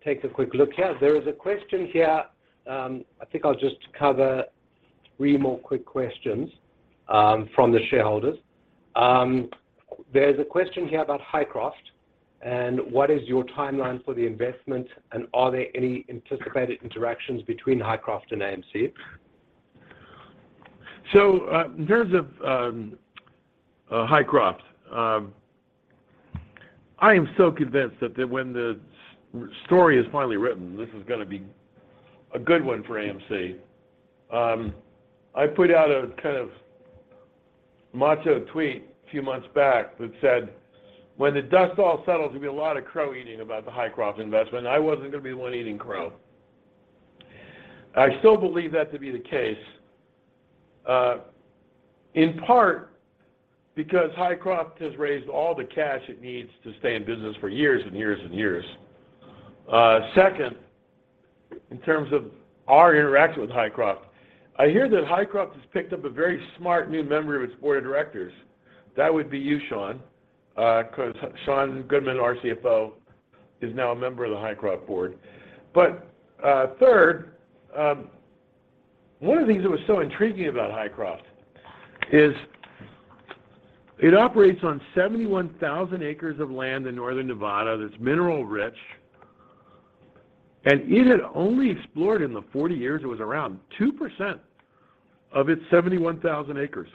[SPEAKER 4] take a quick look here. There is a question here. I think I'll just cover three more quick questions from the shareholders. There's a question here about Hycroft, and what is your timeline for the investment, and are there any anticipated interactions between Hycroft and AMC?
[SPEAKER 3] In terms of Hycroft, I am so convinced that when the story is finally written, this is gonna be a good one for AMC. I put out a kind of macho tweet a few months back that said, "When the dust all settles, there'll be a lot of crow eating about the Hycroft investment. I wasn't gonna be the one eating crow." I still believe that to be the case, in part because Hycroft has raised all the cash it needs to stay in business for years and years and years. Second, in terms of our interaction with Hycroft, I hear that Hycroft has picked up a very smart new member of its board of directors. That would be you, Sean. 'Cause Sean Goodman, our CFO, is now a member of the Hycroft board. One of the things that was so intriguing about Hycroft is it operates on 71,000 acres of land in Northern Nevada that's mineral rich, and it had only explored in the 40 years it was around 2% of its 71,000 acres.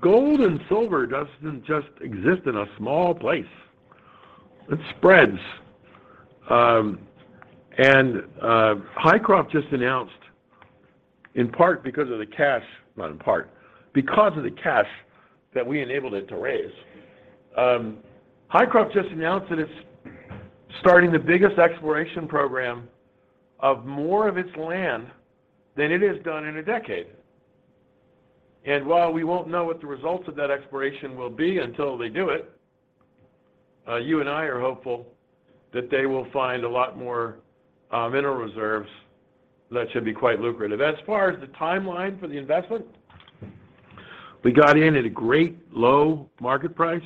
[SPEAKER 3] Gold and silver doesn't just exist in a small place. It spreads. Hycroft just announced because of the cash that we enabled it to raise. Hycroft just announced that it's starting the biggest exploration program of more of its land than it has done in a decade. While we won't know what the results of that exploration will be until they do it, you and I are hopeful that they will find a lot more mineral reserves that should be quite lucrative. As far as the timeline for the investment, we got in at a great low market price.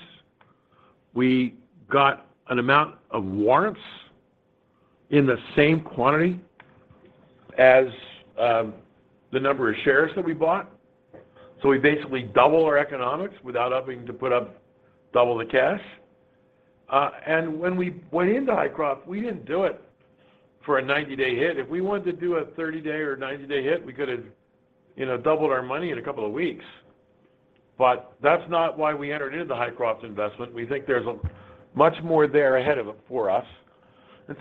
[SPEAKER 3] We got an amount of warrants in the same quantity as the number of shares that we bought. We basically double our economics without having to put up double the cash. When we went into Hycroft, we didn't do it for a 90-day hit. If we wanted to do a 30-day or 90-day hit, we could've, you know, doubled our money in a couple of weeks. That's not why we entered into the Hycroft investment. We think there's much more there ahead of it for us.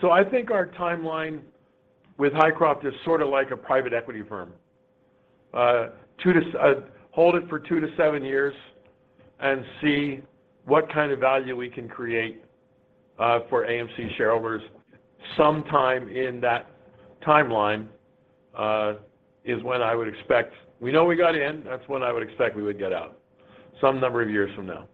[SPEAKER 3] I think our timeline with Hycroft is sort of like a private equity firm. Hold it for two-seven years and see what kind of value we can create for AMC shareholders. Sometime in that timeline is when I would expect. We know when we got in. That's when I would expect we would get out, some number of years from now.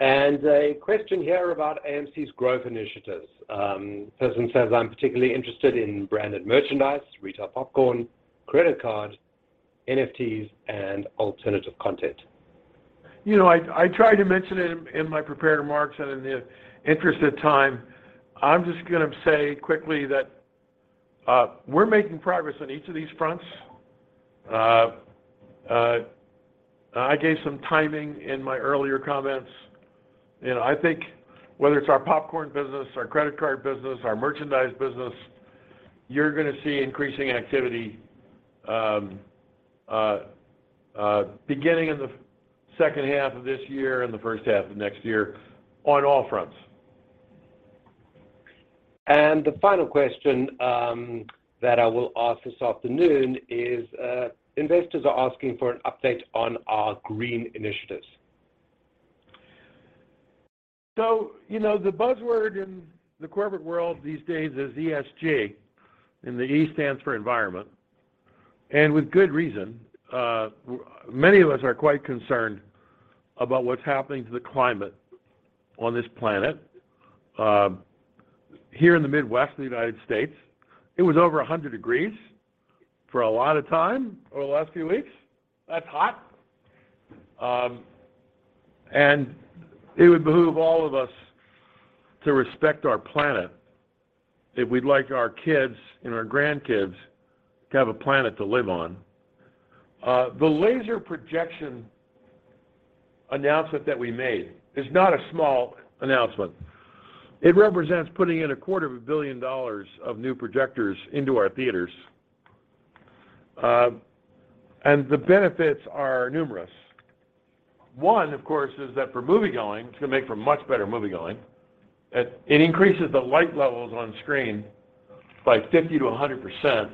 [SPEAKER 4] A question here about AMC's growth initiatives. Person says, "I'm particularly interested in branded merchandise, retail popcorn, credit card, NFTs, and alternative content.
[SPEAKER 3] You know, I tried to mention it in my prepared remarks, and in the interest of time, I'm just gonna say quickly that, we're making progress on each of these fronts. I gave some timing in my earlier comments, and I think whether it's our popcorn business, our credit card business, our merchandise business, you're gonna see increasing activity, beginning in the second half of this year and the first half of next year on all fronts.
[SPEAKER 4] The final question that I will ask this afternoon is, investors are asking for an update on our green initiatives.
[SPEAKER 3] You know, the buzzword in the corporate world these days is ESG, and the E stands for environment, and with good reason. Many of us are quite concerned about what's happening to the climate on this planet. Here in the Midwest of the United States, it was over 100 degrees for a lot of time over the last few weeks. That's hot. It would behoove all of us to respect our planet if we'd like our kids and our grandkids to have a planet to live on. The laser projection announcement that we made is not a small announcement. It represents putting in a quarter of a billion dollars of new projectors into our theaters. The benefits are numerous. One, of course, is that for moviegoing, it's gonna make for much better moviegoing. It increases the light levels on screen by 50%-100%.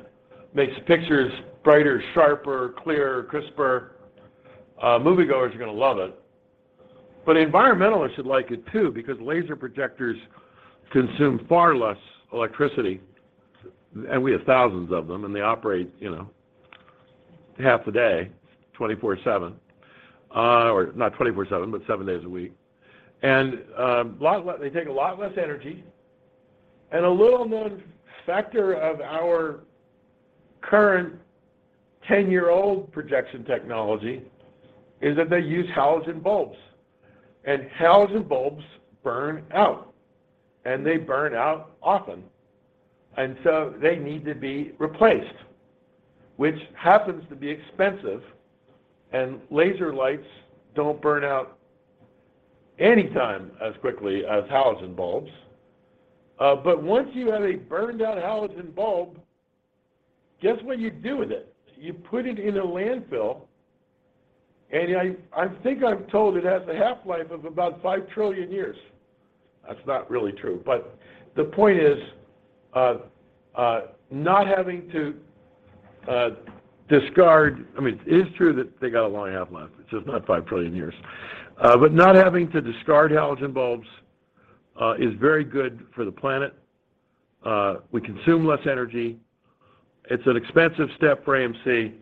[SPEAKER 3] Makes the pictures brighter, sharper, clearer, crisper. Moviegoers are gonna love it. Environmentalists should like it too, because laser projectors consume far less electricity. We have thousands of them, and they operate, you know, half the day, 24/7. Or not 24/7, but seven days a week. They take a lot less energy. A little known factor of our current 10-year-old projection technology is that they use halogen bulbs. Halogen bulbs burn out, and they burn out often. They need to be replaced, which happens to be expensive. Laser lights don't burn out any time as quickly as halogen bulbs. Once you have a burned-out halogen bulb, guess what you do with it? You put it in a landfill, and I think I'm told it has a half-life of about 5 trillion years. That's not really true, but the point is, not having to discard. I mean, it is true that they got a long half-life. It's just not 5 trillion years. Not having to discard halogen bulbs is very good for the planet. We consume less energy. It's an expensive step for AMC,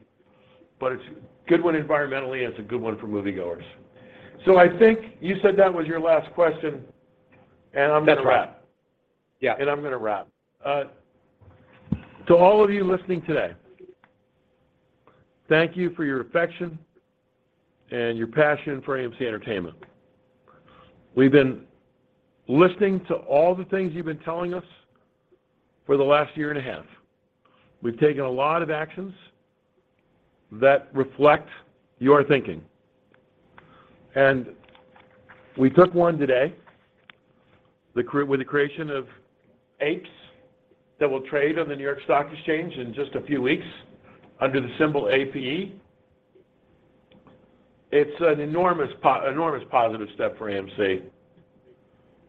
[SPEAKER 3] but it's a good one environmentally, and it's a good one for moviegoers. I think you said that was your last question, and I'm gonna wrap.
[SPEAKER 4] That's right. Yeah. I'm gonna wrap. To all of you listening today, thank you for your affection and your passion for AMC Entertainment. We've been listening to all the things you've been telling us for the last year and a half. We've taken a lot of actions that reflect your thinking, and we took one today, with the creation of APE that will trade on the New York Stock Exchange in just a few weeks under the symbol APE. It's an enormous positive step for AMC.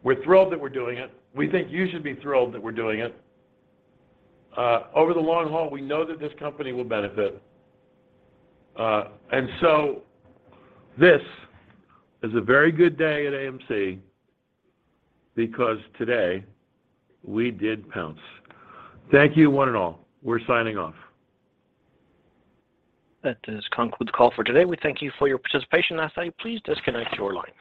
[SPEAKER 4] We're thrilled that we're doing it. We think you should be thrilled that we're doing it. Over the long haul, we know that this company will benefit. This is a very good day at AMC because today we did announce. Thank you one and all. We're signing off.
[SPEAKER 1] That does conclude the call for today. We thank you for your participation. At this time, you please disconnect your line.